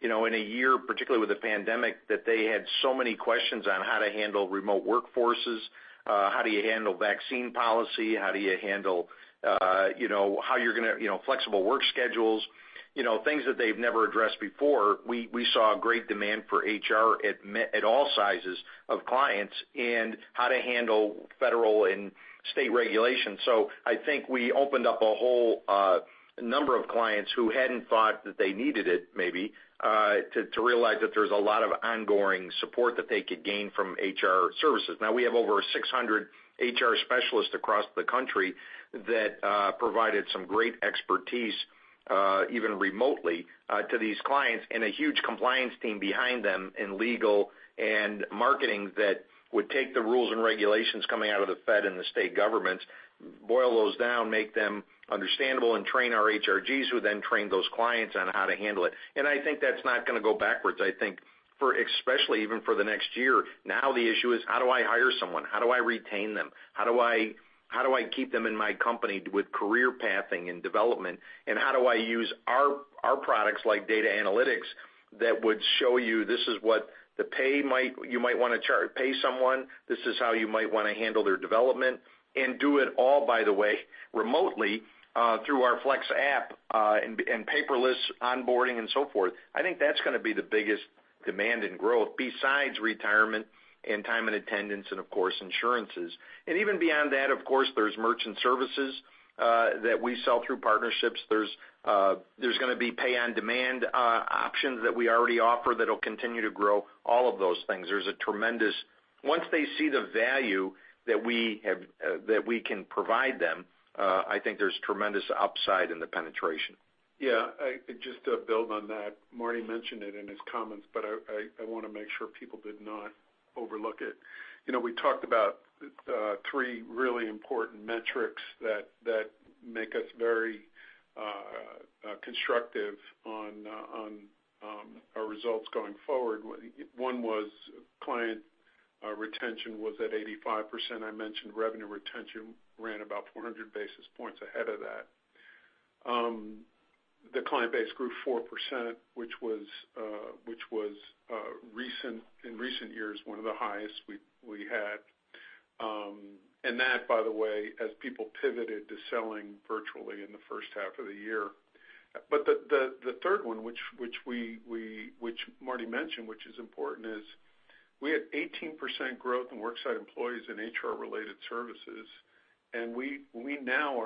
in a year, particularly with the pandemic, that they had so many questions on how to handle remote workforces, how do you handle vaccine policy, how do you handle flexible work schedules, things that they've never addressed before. We saw a great demand for HR at all sizes of clients and how to handle federal and state regulations. I think we opened up a whole number of clients who hadn't thought that they needed it, maybe, to realize that there's a lot of ongoing support that they could gain from HR services. We have over 600 HR specialists across the country that provided some great expertise, even remotely, to these clients, and a huge compliance team behind them in legal and marketing that would take the rules and regulations coming out of the Fed and the state governments, boil those down, make them understandable, and train our HRGs, who then train those clients on how to handle it. I think that's not going to go backwards. I think for, especially even for the next year, now the issue is how do I hire someone? How do I retain them? How do I keep them in my company with career pathing and development? How do I use our products, like data analytics, that would show you this is what you might want to pay someone, this is how you might want to handle their development, and do it all, by the way, remotely, through our Flex app, and paperless onboarding and so forth. I think that's going to be the biggest demand in growth besides retirement and time and attendance, and of course, insurances. Even beyond that, of course, there's merchant services that we sell through partnerships. There's going to be pay-on-demand options that we already offer that'll continue to grow, all of those things. Once they see the value that we can provide them, I think there's tremendous upside in the penetration. Yeah. Just to build on that, Marty mentioned it in his comments, but I want to make sure people did not overlook it. We talked about three really important metrics that make us very constructive on our results going forward. One was client retention was at 85%. I mentioned revenue retention ran about 400 basis points ahead of that. The client base grew 4%, which was, in recent years, one of the highest we had. That, by the way, as people pivoted to selling virtually in the first half of the year. The third one, which Marty mentioned, which is important, is we had 18% growth in worksite employees and HR-related services, and we now.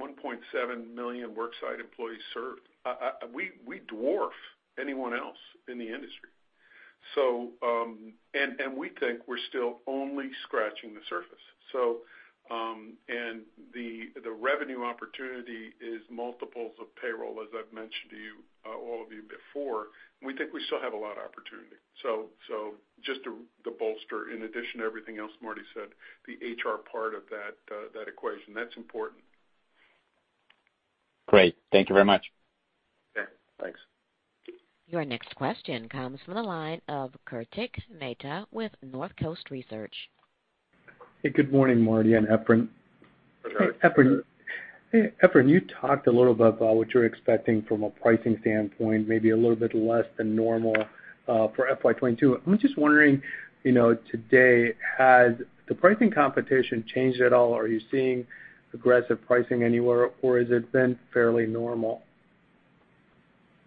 1.7 million worksite employees served. We dwarf anyone else in the industry. We think we're still only scratching the surface. The revenue opportunity is multiples of payroll, as I've mentioned to all of you before. We think we still have a lot of opportunity. Just to bolster, in addition to everything else Marty said, the HR part of that equation, that's important. Great. Thank you very much. Yeah, thanks. Your next question comes from the line of Kartik Mehta with Northcoast Research. Hey, good morning, Marty and Efrain. Hey, Efrain, you talked a little bit about what you're expecting from a pricing standpoint, maybe a little bit less than normal for FY 2022. I'm just wondering, today, has the pricing competition changed at all? Are you seeing aggressive pricing anywhere or has it been fairly normal?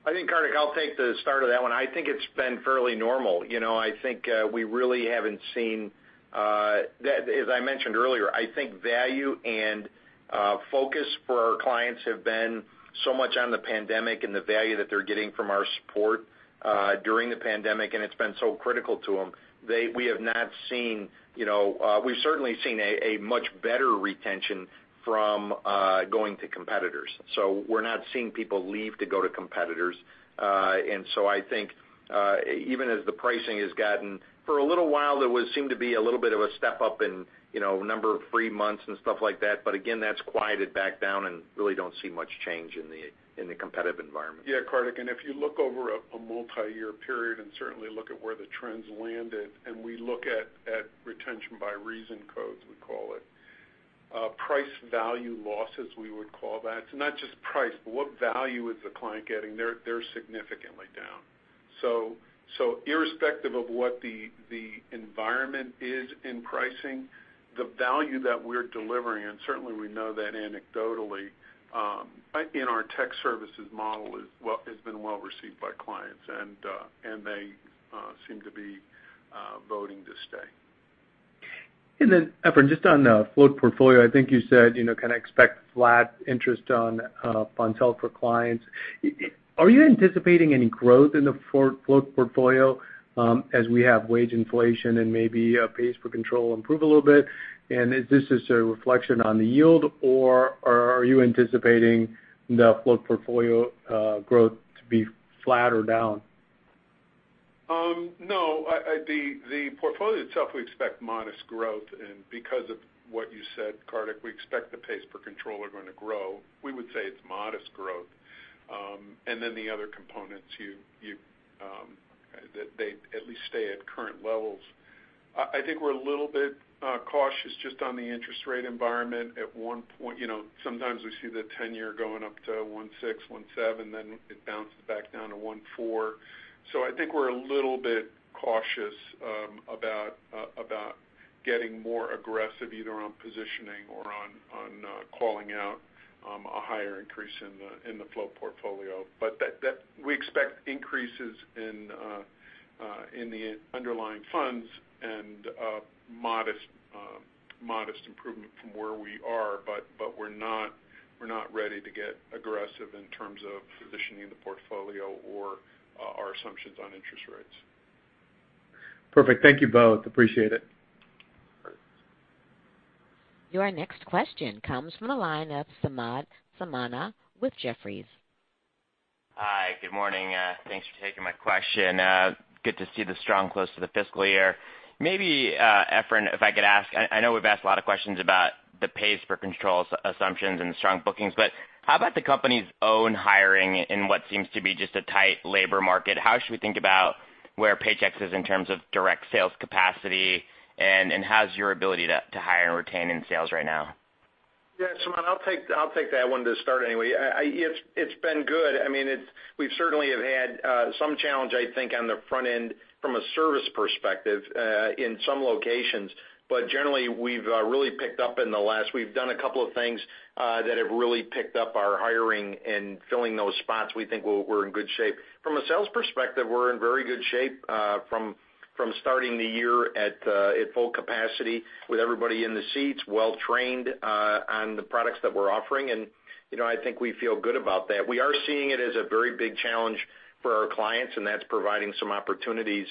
I think, Kartik, I'll take the start of that one. I think it's been fairly normal. As I mentioned earlier, I think value and focus for our clients have been so much on the pandemic and the value that they're getting from our support during the pandemic, and it's been so critical to them. We've certainly seen a much better retention from going to competitors. We're not seeing people leave to go to competitors. I think even as the pricing has gotten, for a little while, there seemed to be a little bit of a step up in number of free months and stuff like that. Again, that's quieted back down, and really don't see much change in the competitive environment. Kartik, if you look over a multi-year period and certainly look at where the trends landed, we look at retention by reason codes, we call it. Price value losses, we would call that. Not just price, but what value is the client getting? They're significantly down. Irrespective of what the environment is in pricing, the value that we're delivering, and certainly we know that anecdotally, in our tech services model, has been well received by clients, and they seem to be voting to stay. Efrain, just on the float portfolio, I think you said kind of expect flat interest on funds held for clients. Are you anticipating any growth in the float portfolio as we have wage inflation and maybe pace for control improve a little bit? Is this just a reflection on the yield, or are you anticipating the float portfolio growth to be flat or down? No. The portfolio itself, we expect modest growth. Because of what you said, Kartik, we expect the pace for control are going to grow. We would say it's modest growth. The other components, they at least stay at current levels. I think we're a little bit cautious just on the interest rate environment. Sometimes we see the 10-year going up to 1.6, 1.7, then it bounces back down to 1.4. I think we're a little bit cautious about getting more aggressive either on positioning or on calling out a higher increase in the float portfolio. We expect increases in the underlying funds and modest improvement from where we are. We're not ready to get aggressive in terms of positioning the portfolio or our assumptions on interest rates. Perfect. Thank you both. Appreciate it. All right. Your next question comes from the line of Samad Samana with Jefferies. Hi, good morning. Thanks for taking my question. Good to see the strong close to the fiscal year. Maybe, Efrain, if I could ask, I know we've asked a lot of questions about the pace for controls assumptions and strong bookings, but how about the company's own hiring in what seems to be just a tight labor market? How should we think about where Paychex is in terms of direct sales capacity, and how's your ability to hire and retain in sales right now? Yeah, Samad, I'll take that one to start anyway. It's been good. We certainly have had some challenge, I think, on the front end from a service perspective in some locations. Generally, we've done a couple of things that have really picked up our hiring and filling those spots. We think we're in good shape. From a sales perspective, we're in very good shape from starting the year at full capacity with everybody in the seats, well-trained on the products that we're offering, and I think we feel good about that. We are seeing it as a very big challenge for our clients, and that's providing some opportunities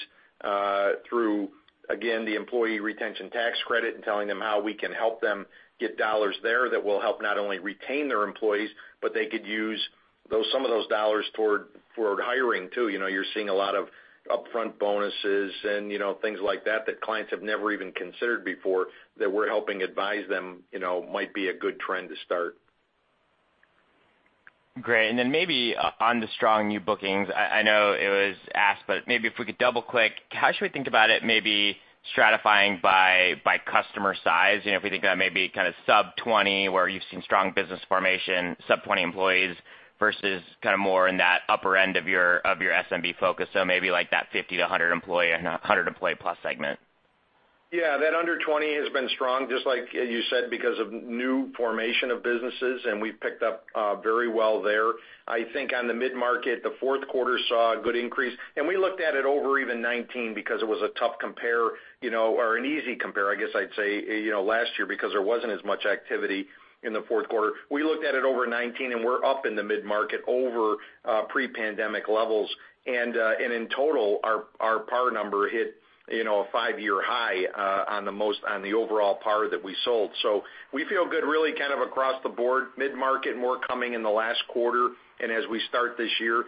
through, again, the employee retention tax credit and telling them how we can help them get dollars there that will help not only retain their employees, but they could use some of those dollars toward hiring, too. You're seeing a lot of upfront bonuses and things like that clients have never even considered before, that we're helping advise them might be a good trend to start. Great. Maybe on the strong new bookings, I know it was asked, but maybe if we could double-click, how should we think about it maybe stratifying by customer size? If you think that maybe sub 20, where you're seeing strong business formation, sub 20 employees versus more in that upper end of your SMB focus, so maybe like that 50-100 employee and 100 employee plus segment? Yeah, that under 20 has been strong, just like you said, because of new formation of businesses, and we've picked up very well there. I think on the mid-market, the fourth quarter saw a good increase, and we looked at it over even 2019 because it was a tough compare, or an easy compare, I guess I'd say, last year because there wasn't as much activity in the fourth quarter. We looked at it over 2019, and we're up in the mid-market over pre-pandemic levels. In total, our PAR number hit a five-year high on the overall PAR that we sold. We feel good really kind of across the board, mid-market more coming in the last quarter and as we start this year.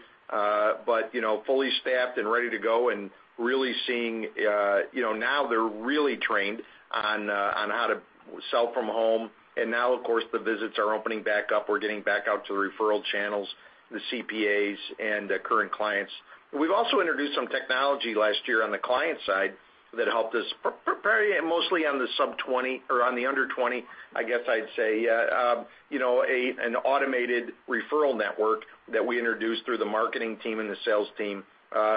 Fully staffed and ready to go and really seeing now they're really trained on how to sell from home. Now, of course, the visits are opening back up. We're getting back out to referral channels, the CPAs, and current clients. We've also introduced some technology last year on the client side that helped us, mostly on the under 20, I guess I'd say, an automated referral network that we introduced through the marketing team and the sales team,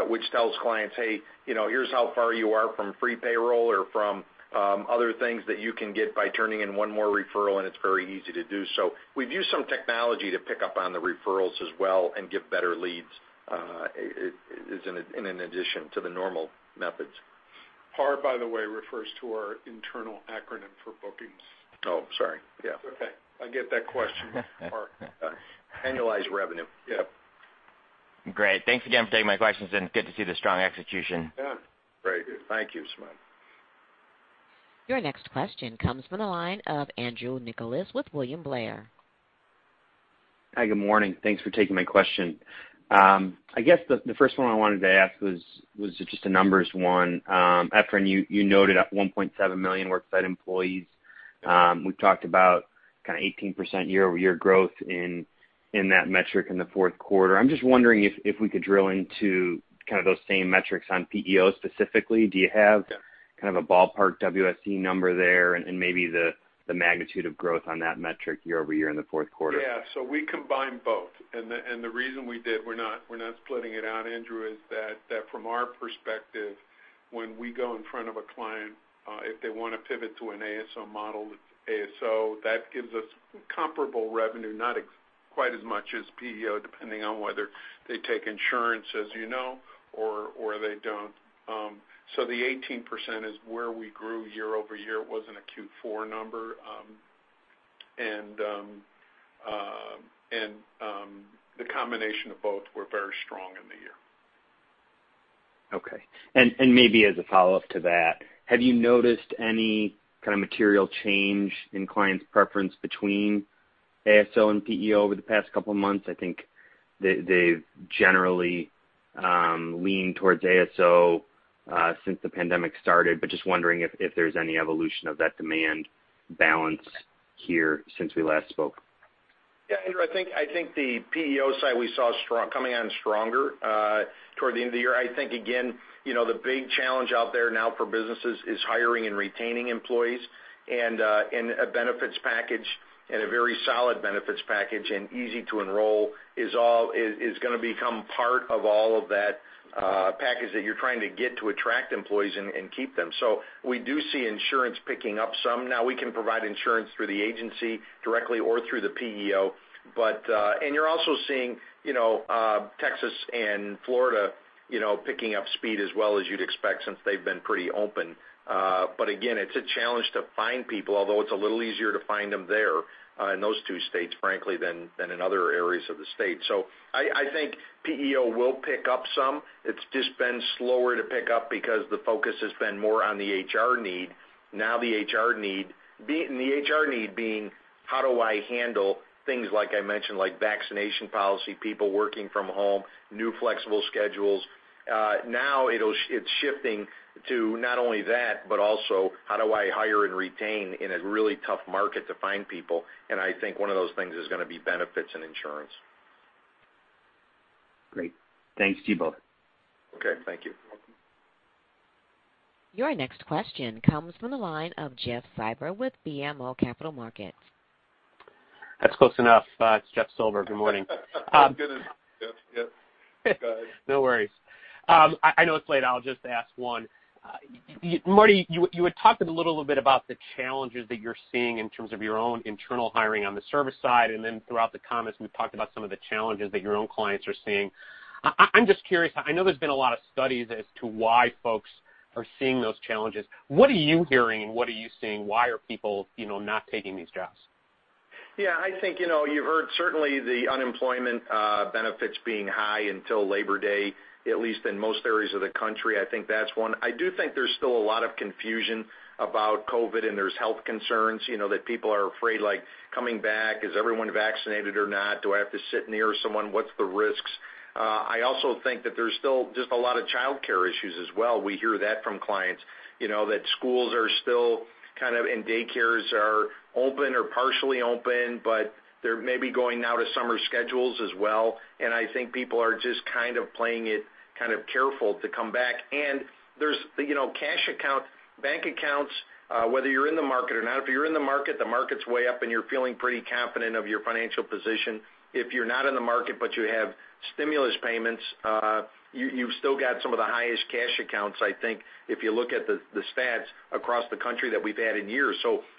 which tells clients, "Hey, here's how far you are from free payroll or from other things that you can get by turning in one more referral," and it's very easy to do so. We've used some technology to pick up on the referrals as well and get better leads in addition to the normal methods. PAR, by the way, refers to our internal acronym for bookings. Oh, sorry. Yeah. It's okay. I get that question. PAR. Annualized revenue. Yeah. Great. Thanks again for taking my questions, and good to see the strong execution. Yeah. Very good. Thank you so much. Your next question comes from the line of Andrew Nicholas with William Blair. Hi, good morning. Thanks for taking my question. I guess the first one I wanted to ask was just a numbers one. Efrain, you noted at 1.7 million worksite employees. We've talked about 18% year-over-year growth in that metric in the fourth quarter. I'm just wondering if we could drill into those same metrics on PEO specifically. Do you have a ballpark WSE number there and maybe the magnitude of growth on that metric year-over-year in the fourth quarter? Yeah. We combined both, and the reason we did, we're not splitting it out, Andrew, is that from our perspective, when we go in front of a client, if they want to pivot to an ASO model, that gives us comparable revenue, not quite as much as PEO, depending on whether they take insurance, as you know, or they don't. The 18% is where we grew year-over-year. It wasn't a Q4 number. The combination of both were very strong in the year. Okay. Maybe as a follow-up to that, have you noticed any material change in clients' preference between ASO and PEO over the past couple of months? I think they've generally leaned towards ASO since the pandemic started, but just wondering if there's any evolution of that demand balance here since we last spoke. Yeah, Andrew, I think the PEO side we saw coming on stronger toward the end of the year. I think, again, the big challenge out there now for businesses is hiring and retaining employees, and a very solid benefits package and easy to enroll is going to become part of all of that package that you're trying to get to attract employees and keep them. We do see insurance picking up some. Now we can provide insurance through the agency directly or through the PEO. You're also seeing Texas and Florida picking up speed as well as you'd expect since they've been pretty open. Again, it's a challenge to find people, although it's a little easier to find them there in those two states, frankly, than in other areas of the state. I think PEO will pick up some. It's just been slower to pick up because the focus has been more on the HR need. The HR need being how do I handle things like I mentioned, like vaccination policy, people working from home, new flexible schedules. Now it's shifting to not only that, but also how do I hire and retain in a really tough market to find people? I think one of those things is going to be benefits and insurance. Great. Thanks to you both. Okay. Thank you. Your next question comes from the line of Jeff Silber with BMO Capital Markets. That's close enough. Jeff Silber. Good morning. Good. Yep. No worries. I know it's late. I'll just ask one. Marty, you had talked a little bit about the challenges that you're seeing in terms of your own internal hiring on the service side. Throughout the comments, we talked about some of the challenges that your own clients are seeing. I'm just curious. I know there's been a lot of studies as to why folks are seeing those challenges. What are you hearing and what are you seeing? Why are people not taking these jobs? Yeah, I think you've heard certainly the unemployment benefits being high until Labor Day, at least in most areas of the country. I think that's one. I do think there's still a lot of confusion about COVID, and there's health concerns, that people are afraid coming back. Is everyone vaccinated or not? Do I have to sit near someone? What's the risks? I also think that there's still just a lot of childcare issues as well. We hear that from clients. That schools and daycares are open or partially open, but they're maybe going now to summer schedules as well. I think people are just playing it careful to come back. There's cash accounts, bank accounts. Whether you're in the market or not, if you're in the market, the market's way up and you're feeling pretty confident of your financial position. If you're not in the market, but you have stimulus payments, you've still got some of the highest cash accounts, I think, if you look at the stats across the country that we've had in years.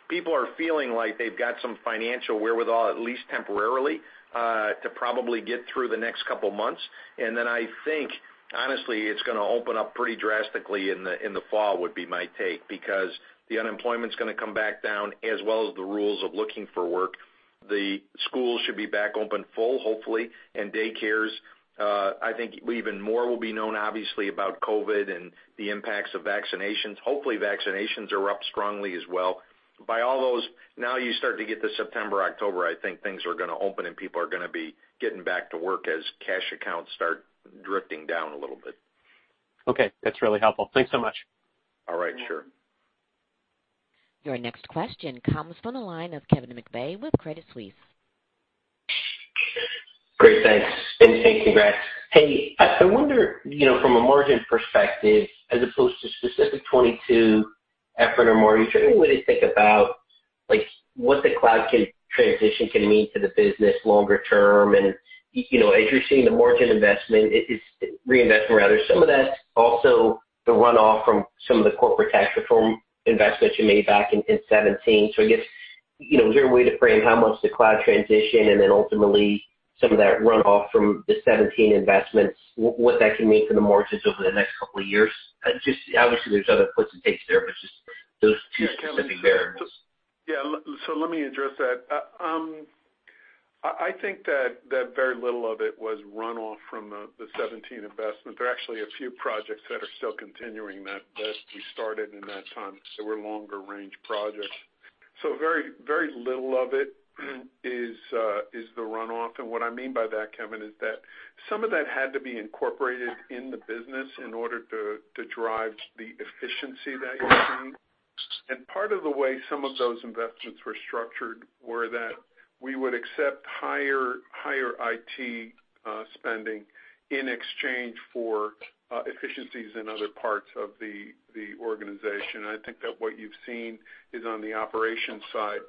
People are feeling like they've got some financial wherewithal, at least temporarily, to probably get through the next couple of months. I think, honestly, it's going to open up pretty drastically in the fall, would be my take, because the unemployment's going to come back down, as well as the rules of looking for work. The schools should be back open full, hopefully, and daycares. I think even more will be known, obviously, about COVID and the impacts of vaccinations. Hopefully, vaccinations are up strongly as well. By all those, now you start to get to September, October, I think things are going to open and people are going to be getting back to work as cash accounts start drifting down a little bit. Okay. That's really helpful. Thanks so much. All right. Sure. Your next question comes from the line of Kevin McVeigh with Credit Suisse. Great. Thanks. Hey, congrats. Hey, I wonder from a margin perspective, as opposed to specific 2022 effort or margin, what do you think about what the cloud transition can mean for the business longer term? As you're seeing the margin investment, reinvestment rather, some of that's also the runoff from some of the corporate tax reform investments you made back in 2017. I guess, your way to frame how much the cloud transition and then ultimately some of that runoff from the 2017 investments, what that can mean for the margins over the next two years? Obviously, there's other puts and takes there, but just those two specifically there. Let me address that. I think that very little of it was runoff from the 2017 investments. There are actually a few projects that are still continuing that we started in that time. They were longer-range projects. Very little of it is the runoff. What I mean by that, Kevin, is that some of that had to be incorporated in the business in order to drive the efficiency that you've seen. Part of the way some of those investments were structured were that we would accept higher IT spending in exchange for efficiencies in other parts of the organization. I think that what you've seen is on the operations side,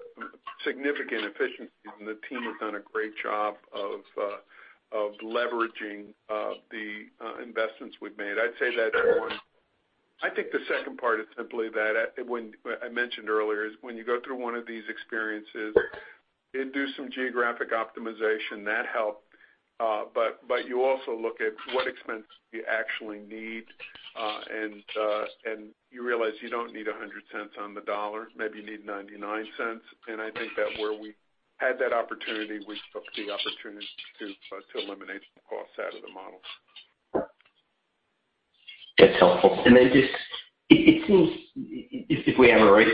significant efficiencies, and the team has done a great job of leveraging the investments we've made. I'd say that, I think the second part is simply that when I mentioned earlier is when you go through one of these experiences and do some geographic optimization, that helped. You also look at what expenses you actually need, and you realize you don't need $1.00 on the dollar, maybe you need $0.99. I think that where we had that opportunity, we took the opportunity to eliminate some cost out of the model. That's helpful. Just, if we have it right,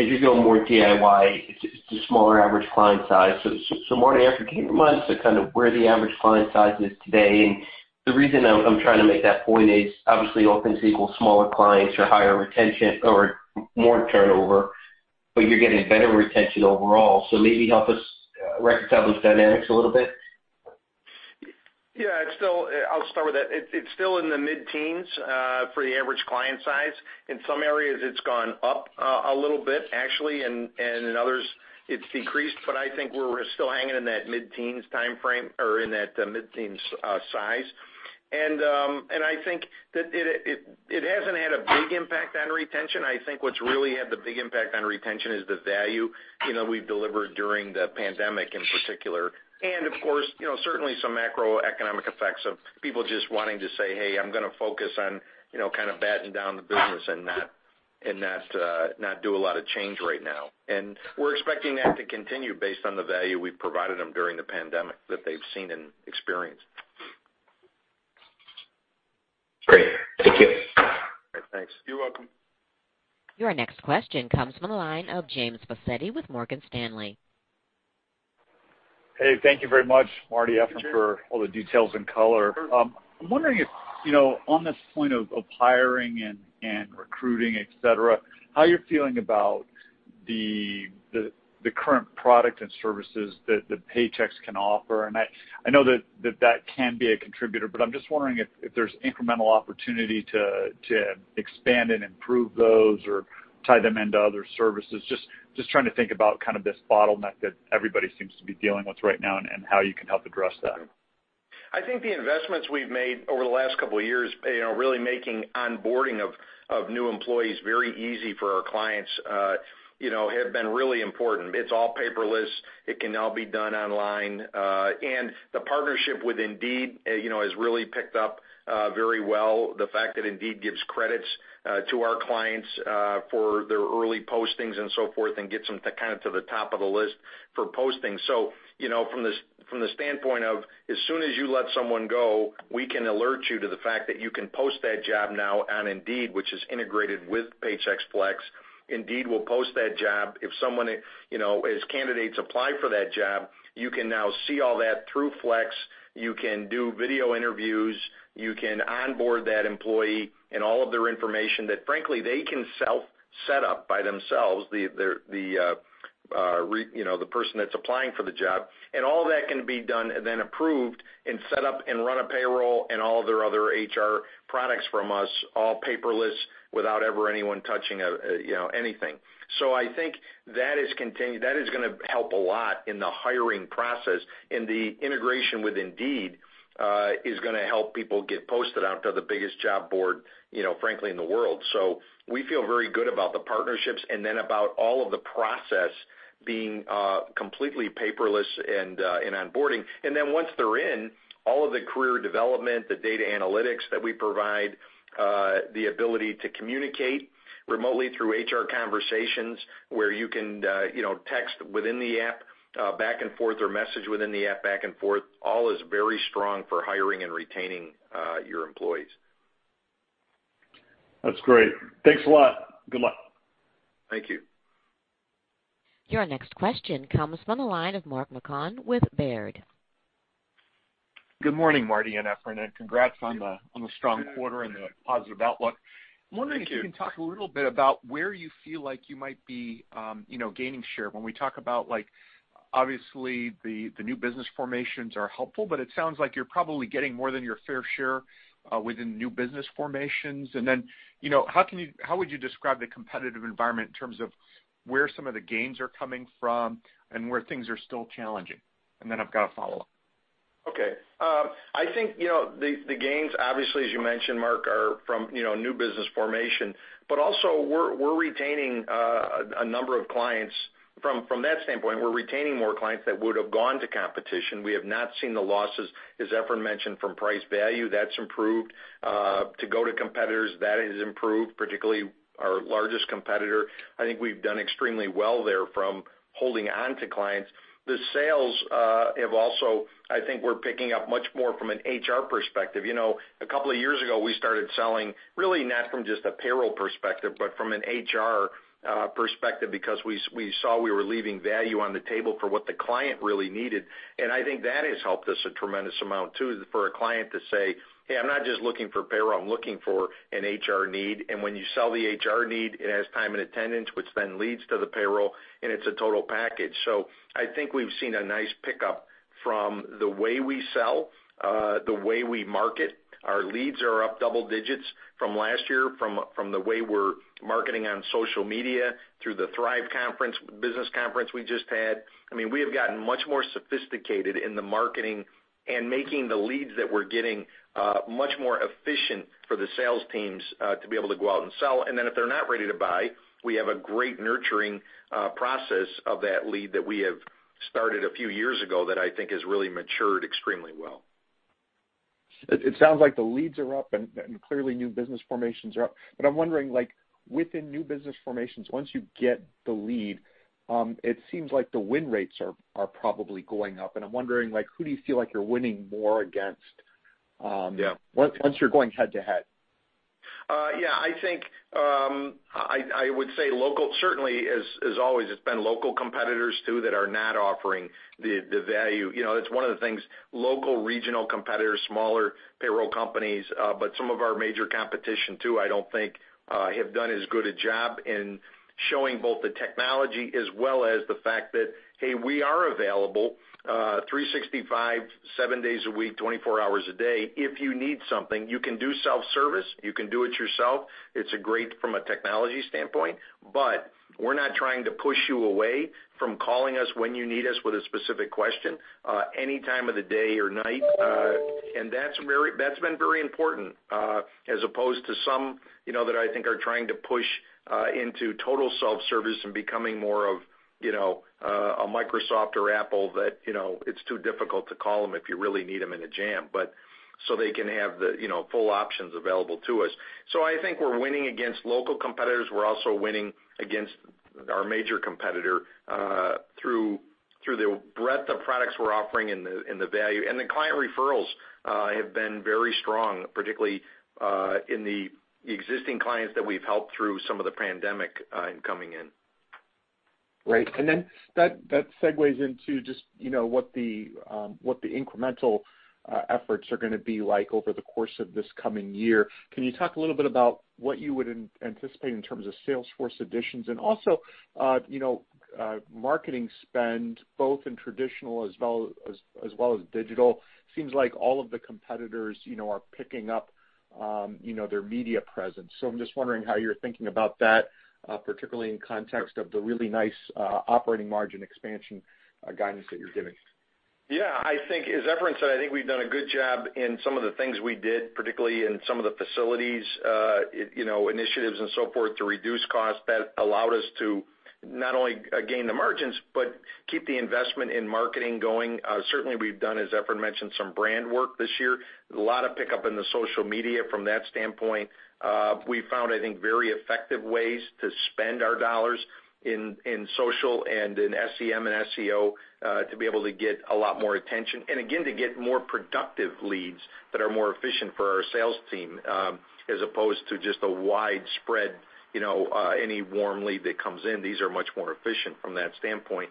as you go more DIY, it's a smaller average client size. More than 18 months to kind of where the average client size is today. The reason I'm trying to make that point is obviously all things equal, smaller clients or higher retention or more turnover, but you're getting better retention overall. Maybe help us reconcile those dynamics a little bit. Yeah. I'll start with that. It's still in the mid-teens for the average client size. In some areas, it's gone up a little bit actually, and in others, it's decreased. I think we're still hanging in that mid-teens timeframe or in that mid-teens size. I think that it hasn't had a big impact on retention. I think what's really had the big impact on retention is the value we've delivered during the pandemic in particular. Of course, certainly some macroeconomic effects of people just wanting to say, "Hey, I'm going to focus on batten down the business and not do a lot of change right now." We're expecting that to continue based on the value we've provided them during the pandemic that they've seen and experienced. Great. Thank you. Thanks. You're welcome. Your next question comes from the line of James Faucette with Morgan Stanley. Hey, thank you very much, Marty, for all the details and color. I'm wondering if on this point of hiring and recruiting, et cetera, how you're feeling about the current product and services that Paychex can offer. I know that that can be a contributor, but I'm just wondering if there's incremental opportunity to expand and improve those or tie them into other services. Just trying to think about this bottleneck that everybody seems to be dealing with right now and how you can help address that. I think the investments we've made over the last couple of years, really making onboarding of new employees very easy for our clients, have been really important. It's all paperless. It can all be done online. The partnership with Indeed has really picked up very well. The fact that Indeed gives credits to our clients for their early postings and so forth and gets them to the top of the list for posting. From the standpoint of as soon as you let someone go, we can alert you to the fact that you can post that job now on Indeed, which is integrated with Paychex Flex. Indeed will post that job. As candidates apply for that job, you can now see all that through Flex. You can do video interviews. You can onboard that employee and all of their information that frankly, they can self set up by themselves. The person that's applying for the job. All that can be done and then approved and set up and run a payroll and all their other HR products from us, all paperless, without ever anyone touching anything. I think that is going to help a lot in the hiring process, and the integration with Indeed is going to help people get posted out to the biggest job board, frankly, in the world. We feel very good about the partnerships and then about all of the process being completely paperless and onboarding. Then once they're in, all of the career development, the data analytics that we provide, the ability to communicate remotely through HR conversations where you can text within the app back and forth or message within the app back and forth, all is very strong for hiring and retaining your employees. That's great. Thanks a lot. Good luck. Thank you. Your next question comes from the line of Mark Marcon with Baird. Good morning, Marty and Efrain, and congrats on the strong quarter and the positive outlook. Thank you. I was wondering if you can talk a little bit about where you feel like you might be gaining share. When we talk about, obviously, the new business formations are helpful, but it sounds like you're probably getting more than your fair share within new business formations. How would you describe the competitive environment in terms of where some of the gains are coming from and where things are still challenging? I've got a follow-up. Okay. I think the gains, obviously, as you mentioned, Mark, are from new business formation. Also, we're retaining a number of clients. From that standpoint, we're retaining more clients that would have gone to competition. We have not seen the losses, as Efrain mentioned, from price value. That's improved. To go to competitors, that has improved, particularly our largest competitor. I think we've done extremely well there from holding on to clients. I think we're picking up much more from an HR perspective. A couple of years ago, we started selling really not from just a payroll perspective, but from an HR perspective, because we saw we were leaving value on the table for what the client really needed, and I think that has helped us a tremendous amount, too, for a client to say, "Hey, I'm not just looking for payroll, I'm looking for an HR need." When you sell the HR need, it has time and attendance, which then leads to the payroll, and it's a total package. I think we've seen a nice pickup from the way we sell, the way we market. Our leads are up double digits from last year, from the way we're marketing on social media through the THRIVE conference, business conference we just had. We have gotten much more sophisticated in the marketing and making the leads that we're getting much more efficient for the sales teams to be able to go out and sell. If they're not ready to buy, we have a great nurturing process of that lead that we have started a few years ago that I think has really matured extremely well. It sounds like the leads are up, and clearly new business formations are up. I'm wondering, within new business formations, once you get the lead, it seems like the win rates are probably going up. I'm wondering, who do you feel like you're winning more against- Yeah. Once you're going head to head? Yeah, I think I would say certainly, as always, it's been local competitors, too, that are not offering the value. It's one of the things local regional competitors, smaller payroll companies, but some of our major competition, too, I don't think have done as good a job in showing both the technology as well as the fact that, hey, we are available 365, seven days a week, 24 hours a day. If you need something, you can do self-service, you can do it yourself. It's great from a technology standpoint, but we're not trying to push you away from calling us when you need us with a specific question any time of the day or night. That's been very important, as opposed to some that I think are trying to push into total self-service and becoming more of a Microsoft or Apple that it's too difficult to call them if you really need them in a jam. They can have the full options available to us. I think we're winning against local competitors. We're also winning against our major competitor, through the breadth of products we're offering and the value. The client referrals have been very strong, particularly in the existing clients that we've helped through some of the pandemic and coming in. Right. That segues into just what the incremental efforts are going to be like over the course of this coming year. Can you talk a little bit about what you would anticipate in terms of sales force additions and also marketing spend, both in traditional as well as digital? Seems like all of the competitors are picking up their media presence. I'm just wondering how you're thinking about that, particularly in context of the really nice operating margin expansion guidance that you're giving. Yeah, I think as Efrain said, I think we've done a good job in some of the things we did, particularly in some of the facilities initiatives and so forth, to reduce costs that allowed us to not only gain the margins but keep the investment in marketing going. Certainly, we've done, as Efrain mentioned, some brand work this year. A lot of pickup in the social media from that standpoint. We found, I think, very effective ways to spend our dollars in social and in SEM and SEO to be able to get a lot more attention, and again, to get more productive leads that are more efficient for our sales team, as opposed to just a widespread, any warm lead that comes in. These are much more efficient from that standpoint.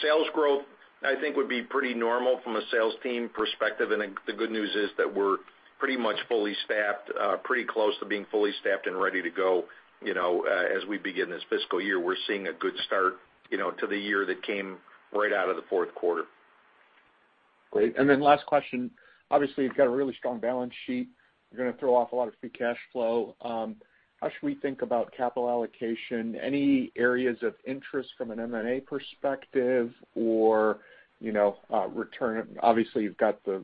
Sales growth, I think, would be pretty normal from a sales team perspective. The good news is that we're pretty much fully staffed, pretty close to being fully staffed and ready to go as we begin this fiscal year. We're seeing a good start to the year that came right out of the fourth quarter. Great. Last question. Obviously, you've got a really strong balance sheet. You're going to throw off a lot of free cash flow. How should we think about capital allocation? Any areas of interest from an M&A perspective or return? Obviously, you've got the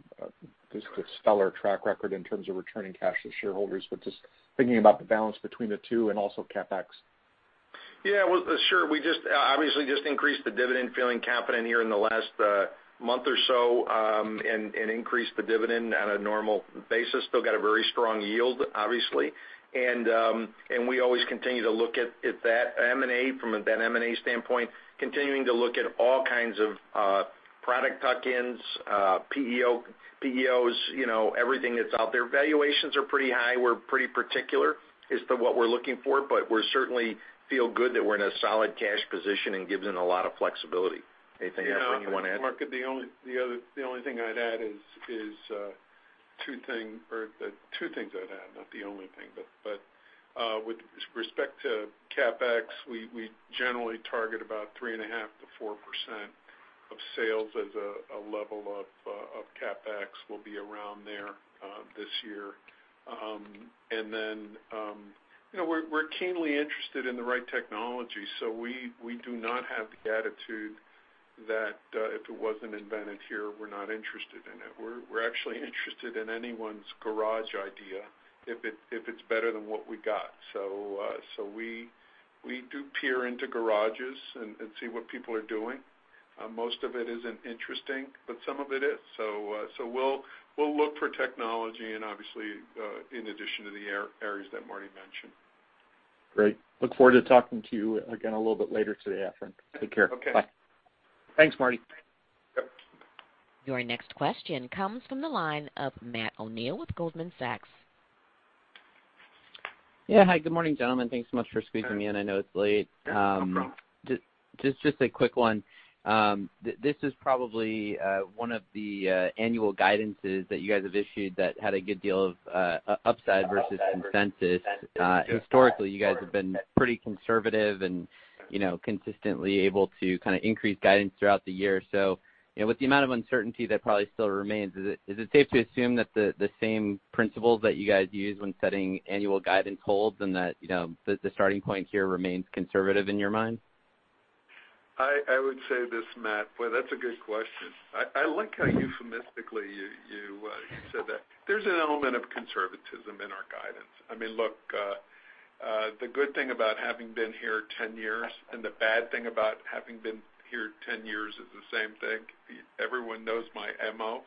stellar track record in terms of returning cash to shareholders, just thinking about the balance between the two and also CapEx. Yeah. Well, sure. We obviously just increased the dividend, feeling confident here in the last month or so, and increased the dividend on a normal basis. Still got a very strong yield, obviously. We always continue to look at that M&A from that M&A standpoint, continuing to look at all kinds of product tuck-ins, PEOs, everything that's out there. Valuations are pretty high. We're pretty particular as to what we're looking for, but we certainly feel good that we're in a solid cash position and gives them a lot of flexibility. Anything else that you want to add? Mark, the only thing I'd add is two things I'd add, not the only thing. With respect to CapEx, we generally target about 3.5%-4% of sales as a level of CapEx. We'll be around there this year. We're keenly interested in the right technology. We do not have the attitude that if it wasn't invented here, we're not interested in it. We're actually interested in anyone's garage idea if it's better than what we got. We do peer into garages and see what people are doing. Most of it isn't interesting, but some of it is. We'll look for technology, and obviously, in addition to the areas that Marty mentioned. Great. Look forward to talking to you again a little bit later today, Efrain. Take care. Okay. Bye. Thanks, Marty. Yep. Your next question comes from the line of Matt O'Neill with Goldman Sachs. Hi, good morning, gentlemen. Thanks so much for squeezing me in. I know it's late. Just a quick one. This is probably one of the annual guidances that you guys have issued that had a good deal of upside versus consensus. Historically, you guys have been pretty conservative and consistently able to increase guidance throughout the year. With the amount of uncertainty that probably still remains, is it safe to assume that the same principles that you guys use when setting annual guidance holds and that the starting point here remains conservative in your mind? I would say this, Matt. Boy, that's a good question. I like how euphemistically you said that. There's an element of conservatism in our guidance. Look, the good thing about having been here 10 years and the bad thing about having been here 10 years is the same thing. Everyone knows my MO.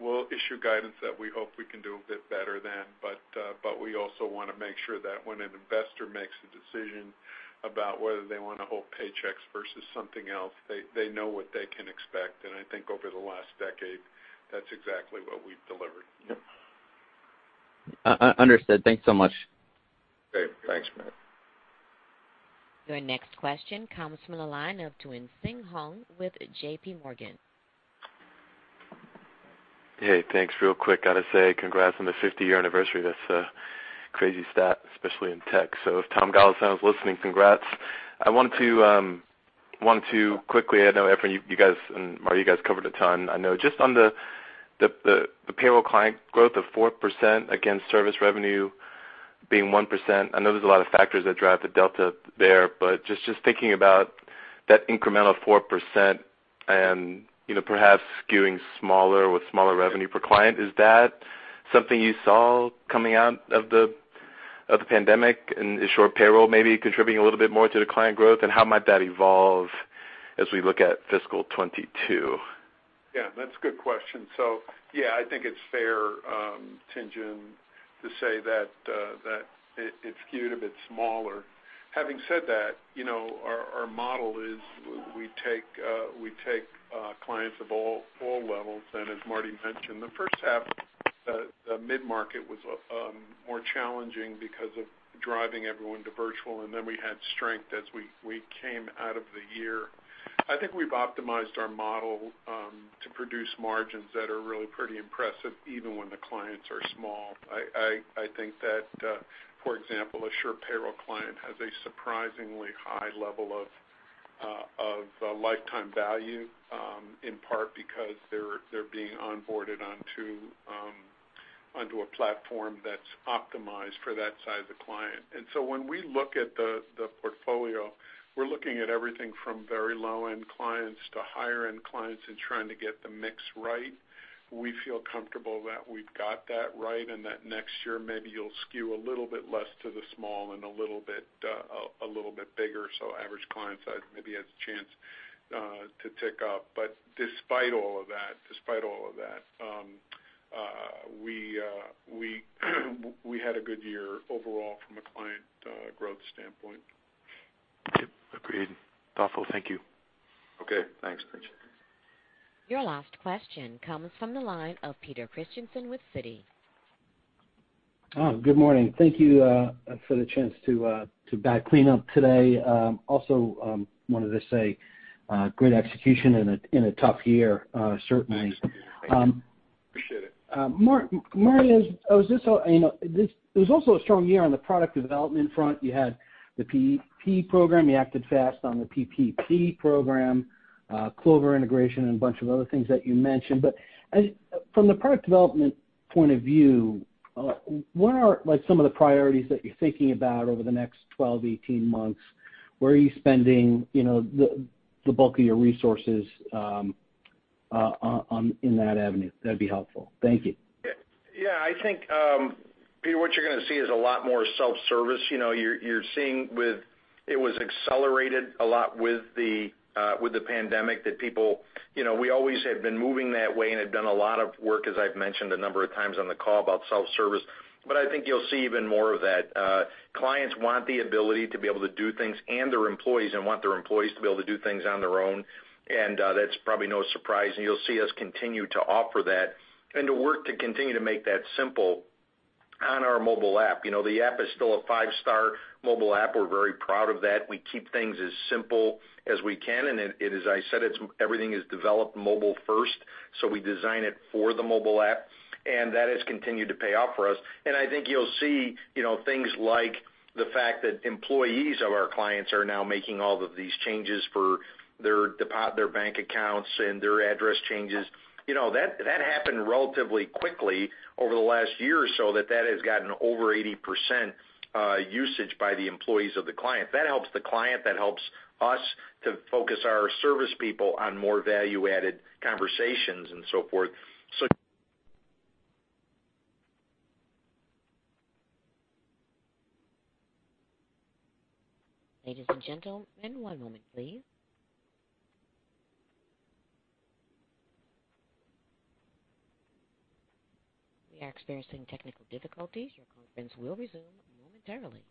We'll issue guidance that we hope we can do a bit better than, but we also want to make sure that when an investor makes a decision about whether they want to hold Paychex versus something else, they know what they can expect. I think over the last decade, that's exactly what we've delivered. Understood. Thanks so much. Okay. Thanks, Matt. Your next question comes from the line of Tien-Tsin Huang with JPMorgan. Hey, thanks. Real quick, got to say congrats on the 50-year anniversary. That's a crazy stat, especially in tech. If Tom Golisano is listening, congrats. I wanted to quickly, I know, Efrain, you guys and Marty, you guys covered a ton. I know just on the payroll client growth of 4% against service revenue being 1%, I know there's a lot of factors that drive the delta there, but just thinking about that incremental 4% and perhaps skewing smaller with smaller revenue per client, is that something you saw coming out of the pandemic? Is SurePayroll maybe contributing a little bit more to the client growth, and how might that evolve as we look at fiscal 2022? Yeah, that's a good question. Yeah, I think it's fair, Tien-Tsin, to say that it skewed a bit smaller. Having said that, our model is we take clients of all levels, and as Marty mentioned, the first half, the mid-market was more challenging because of driving everyone to virtual, and then we had strength as we came out of the year. I think we've optimized our model to produce margins that are really pretty impressive, even when the clients are small. I think that, for example, a SurePayroll client has a surprisingly high level of lifetime value, in part because they're being onboarded onto a platform that's optimized for that size of client. When we look at the portfolio, we're looking at everything from very low-end clients to higher-end clients and trying to get the mix right. We feel comfortable that we've got that right. Next year maybe you'll skew a little bit less to the small and a little bit bigger, average client size maybe has a chance to tick up. Despite all of that, we had a good year overall from a client growth standpoint. Okay. Agreed. Thoughtful. Thank you. Okay. Thanks, Tien-Tsin. Your last question comes from the line of Peter Christiansen with Citi. Good morning. Thank you for the chance to bat cleanup today. Wanted to say great execution in a tough year certainly. Thanks. Appreciate it. Marty, it was also a strong year on the product development front. You had the PPP program, you acted fast on the PPP program, Clover integration and a bunch of other things that you mentioned. From the product development point of view, what are some of the priorities that you're thinking about over the next 12-18 months? Where are you spending the bulk of your resources in that avenue? That'd be helpful. Thank you. Yeah, I think, Peter, what you're going to see is a lot more self-service. You're seeing it was accelerated a lot with the pandemic. We always have been moving that way and have done a lot of work, as I've mentioned a number of times on the call about self-service, but I think you'll see even more of that. Clients want the ability to be able to do things and their employees and want their employees to be able to do things on their own, and that's probably no surprise. You'll see us continue to offer that and to work to continue to make that simple on our mobile app. The app is still a five-star mobile app. We're very proud of that. We keep things as simple as we can, and as I said, everything is developed mobile first, so we design it for the mobile app, and that has continued to pay off for us. I think you'll see things like the fact that employees of our clients are now making all of these changes for their bank accounts and their address changes. That happened relatively quickly over the last year or so that has gotten over 80% usage by the employees of the client. That helps the client, that helps us to focus our service people on more value-added conversations and so forth. Ladies and gentlemen, one moment, please. We are experiencing technical difficulties. Your conference will resume momentarily.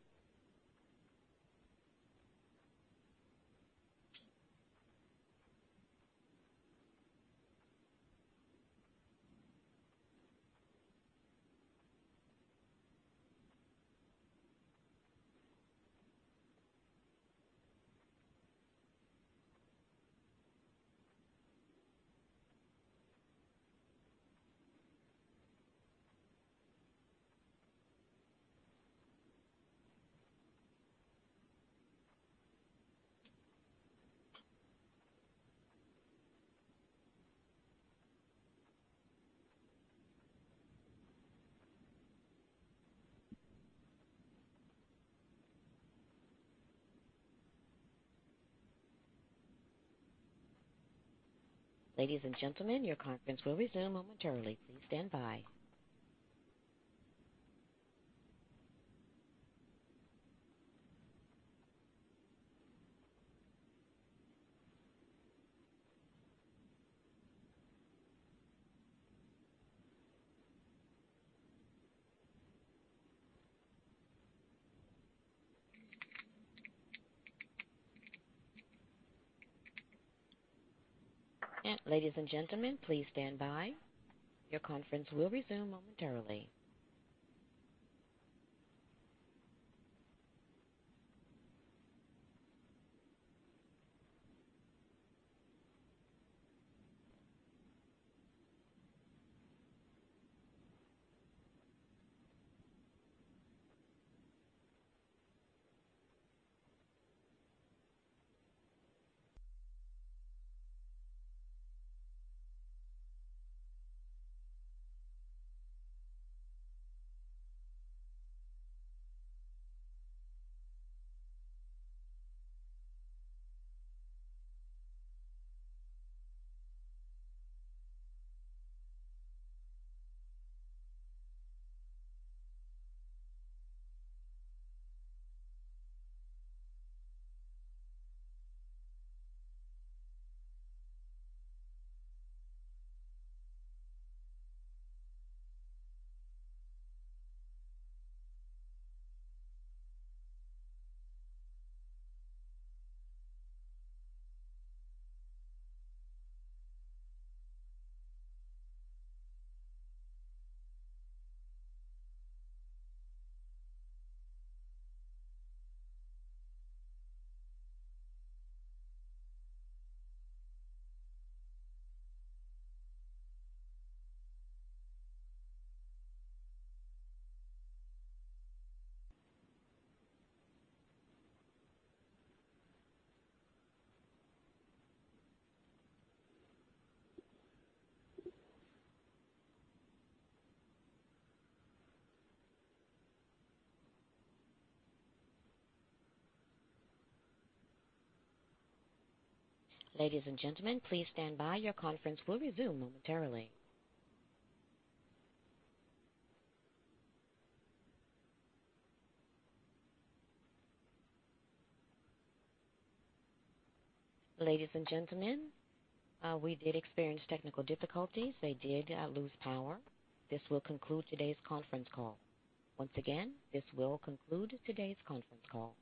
Ladies and gentlemen, your conference will resume momentarily. Please stand by. Ladies and gentlemen, please stand by. Your conference will resume momentarily. Ladies and gentlemen, please stand by. Your conference will resume momentarily. Ladies and gentlemen, we did experience technical difficulties. They did lose power. This will conclude today's conference call. Once again, this will conclude today's conference call.